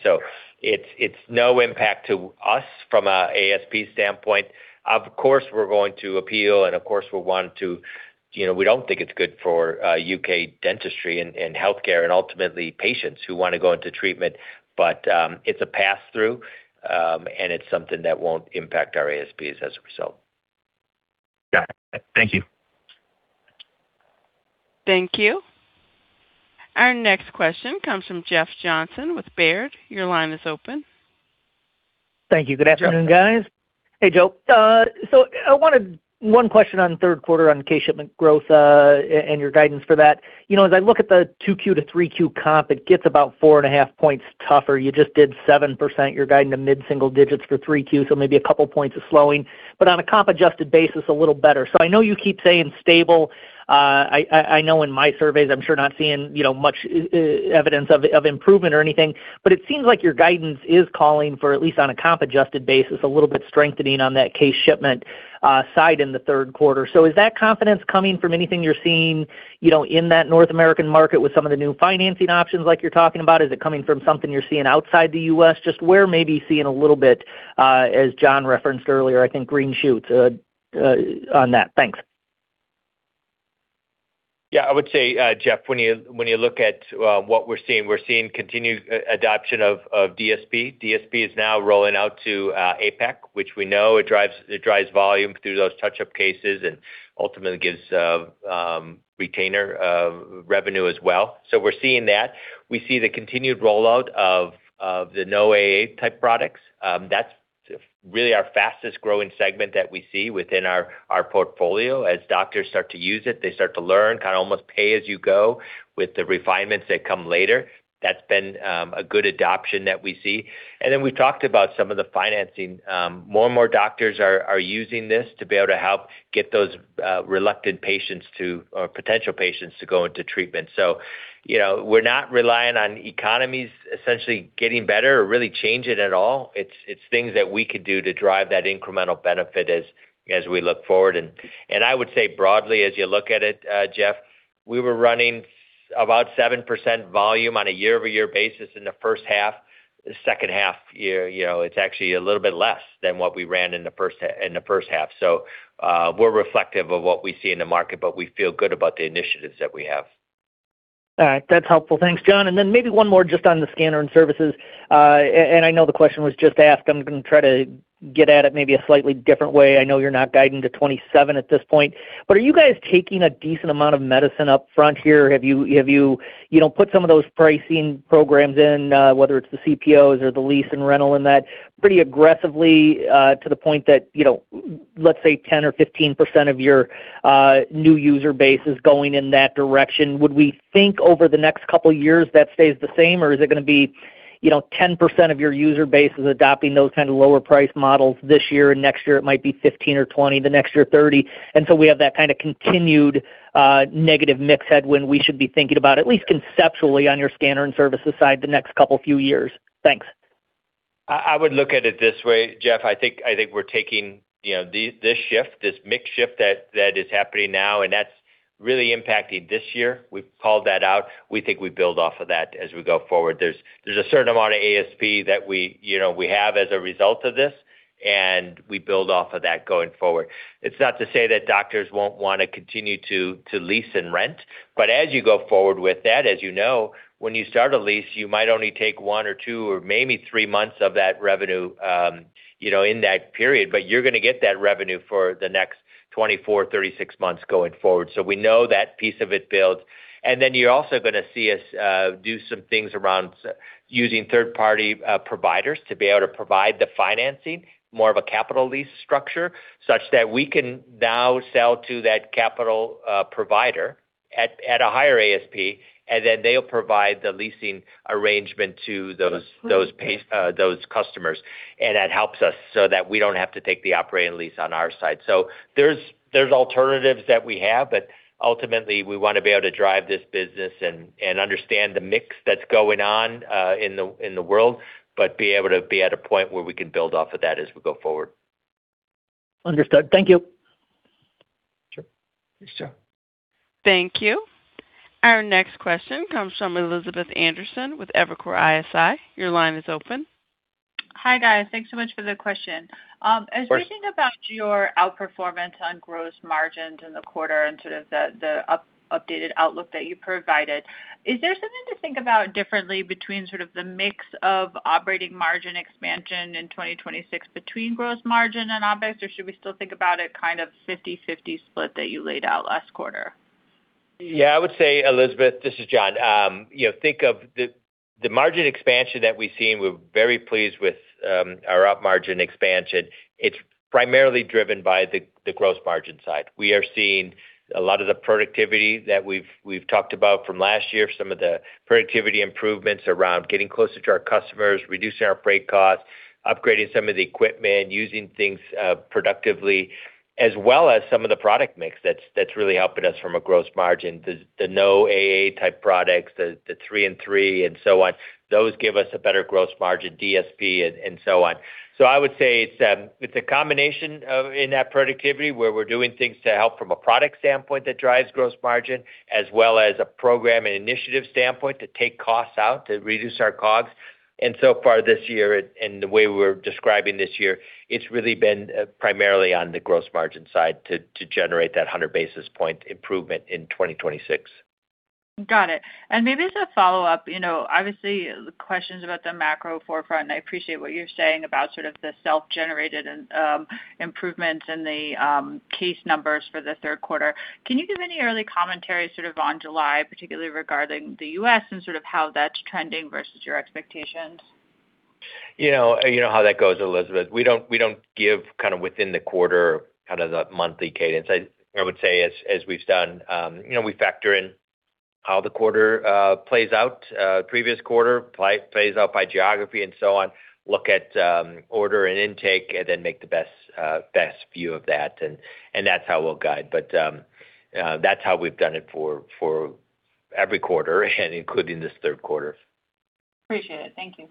It's no impact to us from an ASP standpoint. Of course, we're going to appeal, and of course, we don't think it's good for U.K. dentistry and healthcare and ultimately patients who want to go into treatment. It's a pass-through, and it's something that won't impact our ASPs as a result. Got it. Thank you. Thank you. Our next question comes from Jeff Johnson with Baird, your line is open. Thank you. Good afternoon, guys? Jeff. Hey, Joe. I wanted one question on third quarter on case shipment growth and your guidance for that. As I look at the 2Q to 3Q comp, it gets about four and a half points tougher. You just did 7%. You're guiding to mid-single digits for 3Q, so maybe a couple points of slowing, but on a comp-adjusted basis, a little better. I know you keep saying stable. I know in my surveys, I'm sure not seeing much evidence of improvement or anything, but it seems like your guidance is calling for, at least on a comp-adjusted basis, a little bit strengthening on that case shipment side in the third quarter. Is that confidence coming from anything you're seeing in that North American market with some of the new financing options like you're talking about? Is it coming from something you're seeing outside the U.S.? Just where may be seeing a little bit, as John referenced earlier, I think green shoots on that. Thanks. Yeah, I would say, Jeff, when you look at what we're seeing, we're seeing continued adoption of DSP. DSP is now rolling out to APAC, which we know it drives volume through those touch-up cases and ultimately gives retainer revenue as well. We're seeing that. We see the continued rollout of the no-AA type products. That's really our fastest-growing segment that we see within our portfolio. As doctors start to use it, they start to learn, kind of almost pay as you go with the refinements that come later. That's been a good adoption that we see. We talked about some of the financing. More and more doctors are using this to be able to help get those reluctant patients to, or potential patients to go into treatment. We're not relying on economies essentially getting better or really changing at all. It's things that we could do to drive that incremental benefit as we look forward. I would say broadly, as you look at it, Jeff, we were running about 7% volume on a year-over-year basis in the first half. The second half, it's actually a little bit less than what we ran in the first half. We're reflective of what we see in the market, but we feel good about the initiatives that we have. All right. That's helpful. Thanks, John. Then maybe one more just on the scanner and services. I know the question was just asked. I'm going to try to get at it maybe a slightly different way. I know you're not guiding to 2027 at this point, but are you guys taking a decent amount of medicine up front here? Have you put some of those pricing programs in, whether it's the CPOs or the lease and rental in that pretty aggressively to the point that let's say 10% or 15% of your new user base is going in that direction? Would we think over the next couple of years that stays the same, or is it going to be 10% of your user base is adopting those kind of lower price models this year and next year it might be 15% or 20%, the next year 30%? We have that kind of continued negative mix head when we should be thinking about, at least conceptually, on your scanner and services side the next couple few years. Thanks. I would look at it this way, Jeff. I think we're taking this shift, this mix shift that is happening now, and that's really impacting this year. We've called that out. We think we build off of that as we go forward. There's a certain amount of ASP that we have as a result of this, and we build off of that going forward. It's not to say that doctors won't want to continue to lease and rent, but as you go forward with that, as you know, when you start a lease, you might only take one or two or maybe three months of that revenue in that period, but you're going to get that revenue for the next 24 months, 36 months going forward. We know that piece of it builds. You're also going to see us do some things around using third-party providers to be able to provide the financing, more of a capital lease structure, such that we can now sell to that capital provider at a higher ASP, then they'll provide the leasing arrangement to those customers. That helps us so that we don't have to take the operating lease on our side. There's alternatives that we have, but ultimately, we want to be able to drive this business and understand the mix that's going on in the world, but be able to be at a point where we can build off of that as we go forward. Understood. Thank you. Sure. Thanks, Jeff. Thank you. Our next question comes from Elizabeth Anderson with Evercore ISI, your line is open. Hi, guys. Thanks so much for the question. Of course. As we think about your outperformance on gross margins in the quarter and sort of the updated outlook that you provided, is there something to think about differently between sort of the mix of operating margin expansion in 2026 between gross margin and OpEx, or should we still think about it kind of 50/50 split that you laid out last quarter? Yeah, I would say, Elizabeth, this is John. Think of the margin expansion that we've seen. We're very pleased with our up margin expansion. It's primarily driven by the gross margin side. We are seeing a lot of the productivity that we've talked about from last year, some of the productivity improvements around getting closer to our customers, reducing our freight costs, upgrading some of the equipment, using things productively, as well as some of the product mix that's really helping us from a gross margin. The no-AA type products, the Three-in-Three, and so on, those give us a better gross margin, DSP, and so on. I would say it's a combination in that productivity where we're doing things to help from a product standpoint that drives gross margin, as well as a program and initiative standpoint to take costs out to reduce our COGS. So far this year, and the way we're describing this year, it's really been primarily on the gross margin side to generate that 100 basis point improvement in 2026. Got it. Maybe as a follow-up, obviously, the questions about the macro forefront, and I appreciate what you're saying about sort of the self-generated improvements and the case numbers for the third quarter. Can you give any early commentary sort of on July, particularly regarding the U.S. and sort of how that's trending versus your expectations? You know how that goes, Elizabeth. We don't give kind of within the quarter, kind of the monthly cadence. I would say as we've done, we factor in how the quarter plays out, previous quarter plays out by geography and so on, look at order and intake, and then make the best view of that, and that's how we'll guide. That's how we've done it for every quarter and including this third quarter. Appreciate it. Thank you.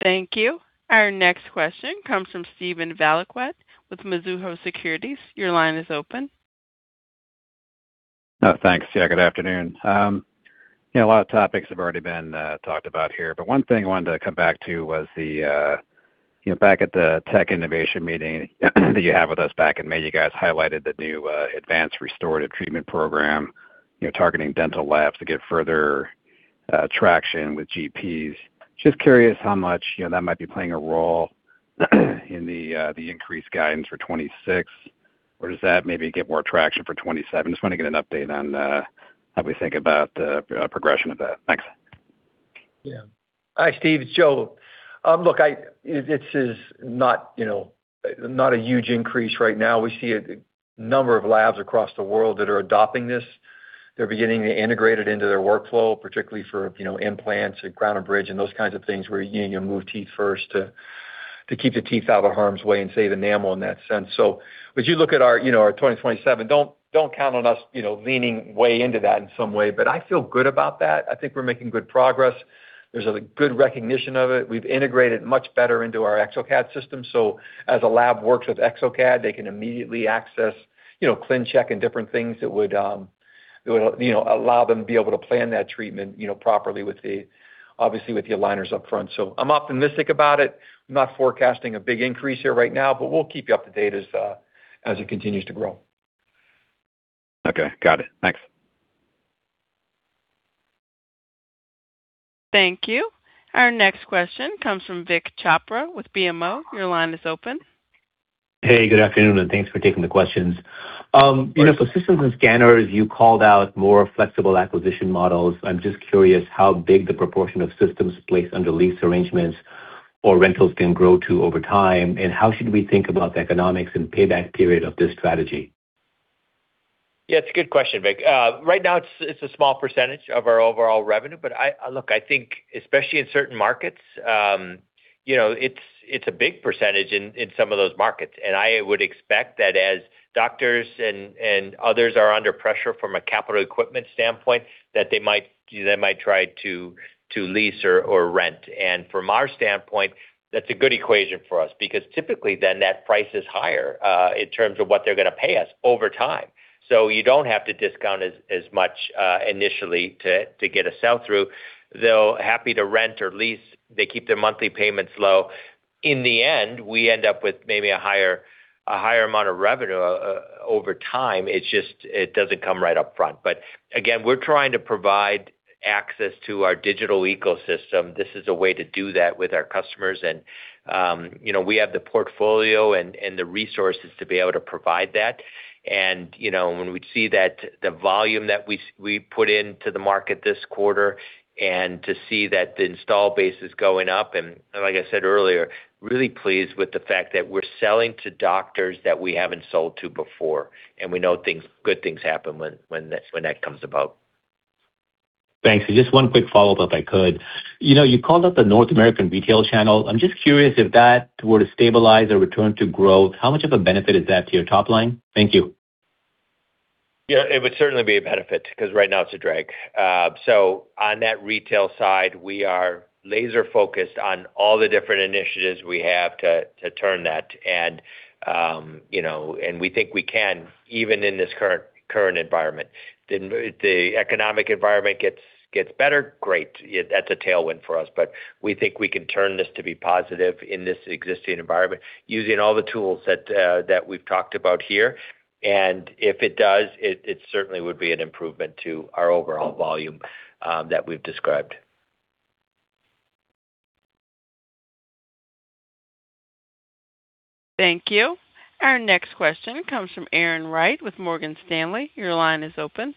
Thank you. Our next question comes from Steven Valiquette with Mizuho Securities, your line is open. Oh, thanks. Yeah, good afternoon. A lot of topics have already been talked about here. One thing I wanted to come back to was back at the tech innovation meeting that you had with us back in May, you guys highlighted the new Advanced Restorative Treatment program, targeting dental labs to get further traction with GPs. Just curious how much that might be playing a role in the increased guidance for 2026. Does that maybe get more traction for 2027? Just want to get an update on how we think about the progression of that. Thanks. Yeah. Hi, Steve, it's Joe. Look, it is not a huge increase right now. We see a number of labs across the world that are adopting this. They're beginning to integrate it into their workflow, particularly for implants and crown and bridge and those kinds of things where you move teeth first to keep the teeth out of harm's way and save the enamel in that sense. As you look at our 2027, don't count on us leaning way into that in some way, but I feel good about that. I think we're making good progress. There's a good recognition of it. We've integrated much better into our exocad system. As a lab works with exocad, they can immediately access ClinCheck and different things that would allow them to be able to plan that treatment properly, obviously, with the aligners upfront. I'm optimistic about it. I'm not forecasting a big increase here right now, but we'll keep you up to date as it continues to grow. Okay. Got it. Thanks. Thank you. Our next question comes from Vik Chopra with BMO, your line is open. Hey, good afternoon? Thanks for taking the questions. Of course. For systems and scanners, you called out more flexible acquisition models. I'm just curious how big the proportion of systems placed under lease arrangements or rentals can grow to over time, and how should we think about the economics and payback period of this strategy? Yeah, it's a good question, Vik. Right now, it's a small percentage of our overall revenue, look, I think especially in certain markets, it's a big percentage in some of those markets. I would expect that as doctors and others are under pressure from a capital equipment standpoint, that they might try to lease or rent. From our standpoint, that's a good equation for us because typically then that price is higher in terms of what they're going to pay us over time. You don't have to discount as much initially to get a sell-through. They're happy to rent or lease. They keep their monthly payments low. In the end, we end up with maybe a higher amount of revenue over time. It doesn't come right up front. Again, we're trying to provide access to our digital ecosystem. This is a way to do that with our customers, we have the portfolio and the resources to be able to provide that. When we see that the volume that we put into the market this quarter and to see that the install base is going up and, like I said earlier, really pleased with the fact that we're selling to doctors that we haven't sold to before. We know good things happen when that comes about. Thanks. Just one quick follow-up, if I could. You called out the North American retail channel. I'm just curious if that were to stabilize or return to growth, how much of a benefit is that to your top line? Thank you. Yeah, it would certainly be a benefit because right now it's a drag. On that retail side, we are laser focused on all the different initiatives we have to turn that. We think we can, even in this current environment. If the economic environment gets better, great. That's a tailwind for us. We think we can turn this to be positive in this existing environment using all the tools that we've talked about here. If it does, it certainly would be an improvement to our overall volume that we've described. Thank you. Our next question comes from Erin Wright with Morgan Stanley, your line is open.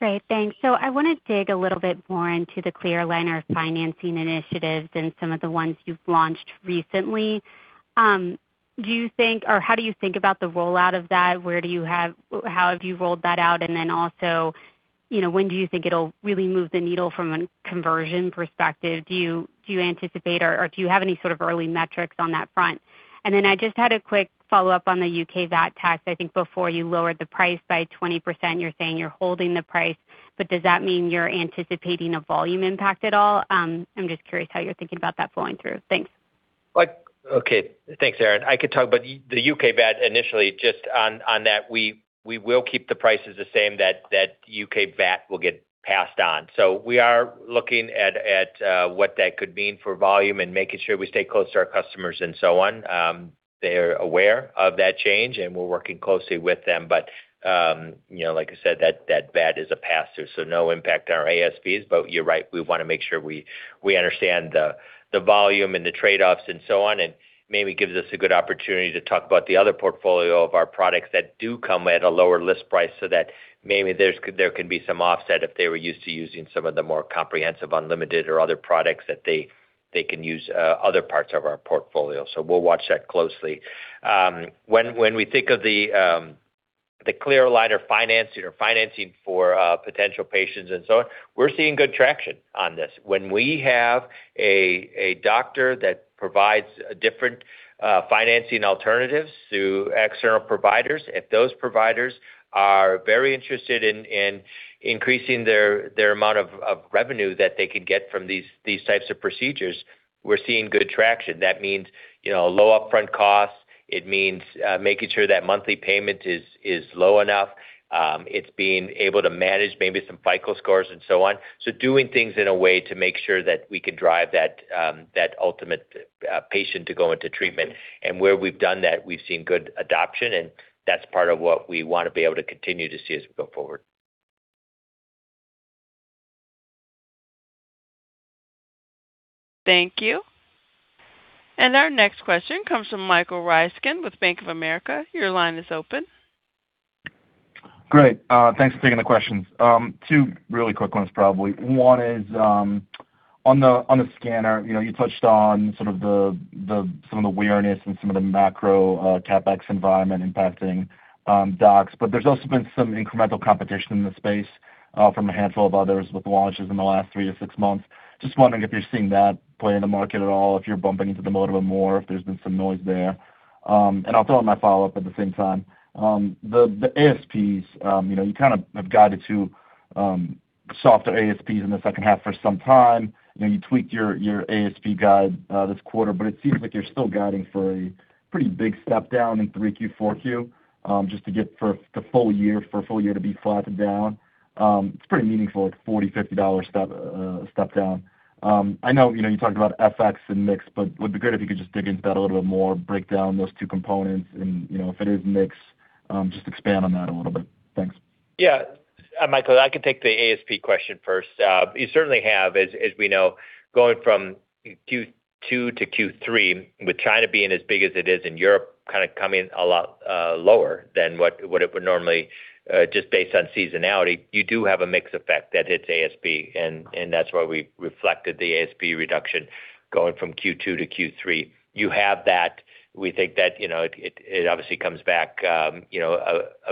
Great. Thanks. I want to dig a little bit more into the clear aligner financing initiatives and some of the ones you've launched recently. How do you think about the rollout of that? How have you rolled that out, when do you think it'll really move the needle from a conversion perspective? Do you anticipate or do you have any sort of early metrics on that front? I just had a quick follow-up on the U.K. VAT tax. I think before you lowered the price by 20%, you're saying you're holding the price, does that mean you're anticipating a volume impact at all? I'm just curious how you're thinking about that flowing through. Thanks. Okay, thanks, Erin. I could talk about the U.K. VAT initially just on that we will keep the prices the same, that U.K. VAT will get passed on. We are looking at what that could mean for volume and making sure we stay close to our customers and so on. They're aware of that change, and we're working closely with them. Like I said, that VAT is a pass-through, no impact on our ASPs. You're right. We want to make sure we understand the volume and the trade-offs and so on, maybe gives us a good opportunity to talk about the other portfolio of our products that do come at a lower list price so that maybe there can be some offset if they were used to using some of the more comprehensive, unlimited, or other products that they can use other parts of our portfolio. We'll watch that closely. When we think of the clear aligner financing or financing for potential patients and so on, we're seeing good traction on this. When we have a doctor that provides different financing alternatives to external providers, if those providers are very interested in increasing their amount of revenue that they could get from these types of procedures, we're seeing good traction. That means low upfront costs. It means making sure that monthly payment is low enough. It's being able to manage maybe some FICO scores and so on. Doing things in a way to make sure that we could drive that ultimate patient to go into treatment. Where we've done that, we've seen good adoption, and that's part of what we want to be able to continue to see as we go forward. Thank you. Our next question comes from Michael Ryskin with Bank of America, your line is open. Great. Thanks for taking the questions. Two really quick ones, probably. One is on the scanner. You touched on sort of some of the awareness and some of the macro CapEx environment impacting docs. There's also been some incremental competition in the space from a handful of others with launches in the last three months to six months. Just wondering if you're seeing that play in the market at all, if you're bumping into them a little bit more, if there's been some noise there. I'll throw in my follow-up at the same time. The ASPs, you kind of have guided to softer ASPs in the second half for some time. You tweaked your ASP guide this quarter, but it seems like you're still guiding for a pretty big step down in 3Q, 4Q just to get for full year to be flat to down. It's pretty meaningful at $40, $50 step down. I know you talked about FX and mix, but would be great if you could just dig into that a little bit more, break down those two components and if it is mix, just expand on that a little bit. Thanks. Michael, I can take the ASP question first. You certainly have, as we know, going from Q2 to Q3, with China being as big as it is and Europe kind of coming a lot lower than what it would normally just based on seasonality. You do have a mix effect that hits ASP, and that's why we reflected the ASP reduction going from Q2 to Q3. You have that. We think that it obviously comes back a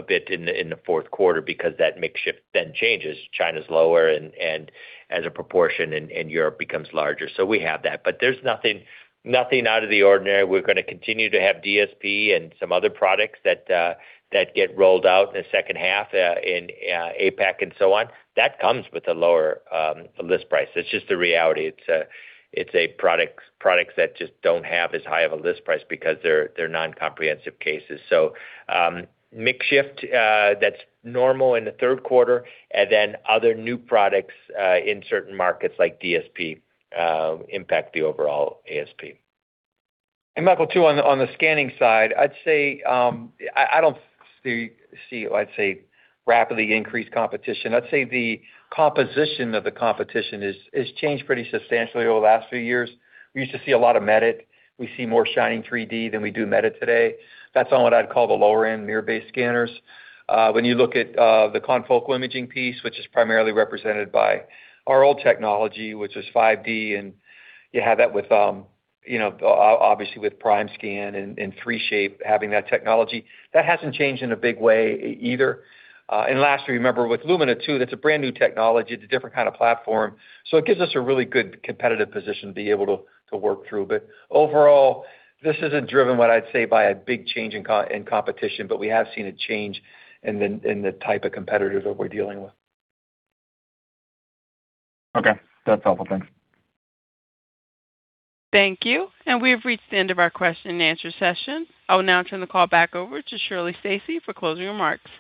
bit in the fourth quarter because that mix shift then changes. China's lower as a proportion and Europe becomes larger. We have that. There's nothing out of the ordinary. We're going to continue to have DSP and some other products that get rolled out in the second half in APAC and so on. That comes with a lower list price. It's just the reality. It's products that just don't have as high of a list price because they're non-comprehensive cases. Mix shift, that's normal in the third quarter. Other new products in certain markets, like DSP, impact the overall ASP. Michael, too, on the scanning side, I'd say I don't see rapidly increased competition. I'd say the composition of the competition has changed pretty substantially over the last few years. We used to see a lot of Medit. We see more Shining 3D than we do Medit today. That's on what I'd call the lower-end mirror-based scanners. When you look at the confocal imaging piece, which is primarily represented by our old technology, which is 5D, and you have that obviously with Primescan and 3Shape having that technology. That hasn't changed in a big way either. Lastly, remember with Lumina too, that's a brand-new technology. It's a different kind of platform, it gives us a really good competitive position to be able to work through. Overall, this isn't driven what I'd say by a big change in competition, but we have seen a change in the type of competitors that we're dealing with. Okay. That's helpful. Thanks. Thank you. We have reached the end of our question-and-answer session. I will now turn the call back over to Shirley Stacy for closing remarks.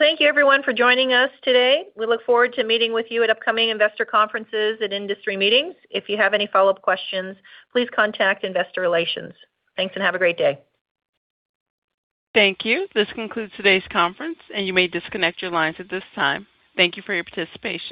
Thank you, everyone, for joining us today. We look forward to meeting with you at upcoming investor conferences and industry meetings. If you have any follow-up questions, please contact investor relations. Thanks, and have a great day. Thank you. This concludes today's conference, you may disconnect your lines at this time. Thank you for your participation.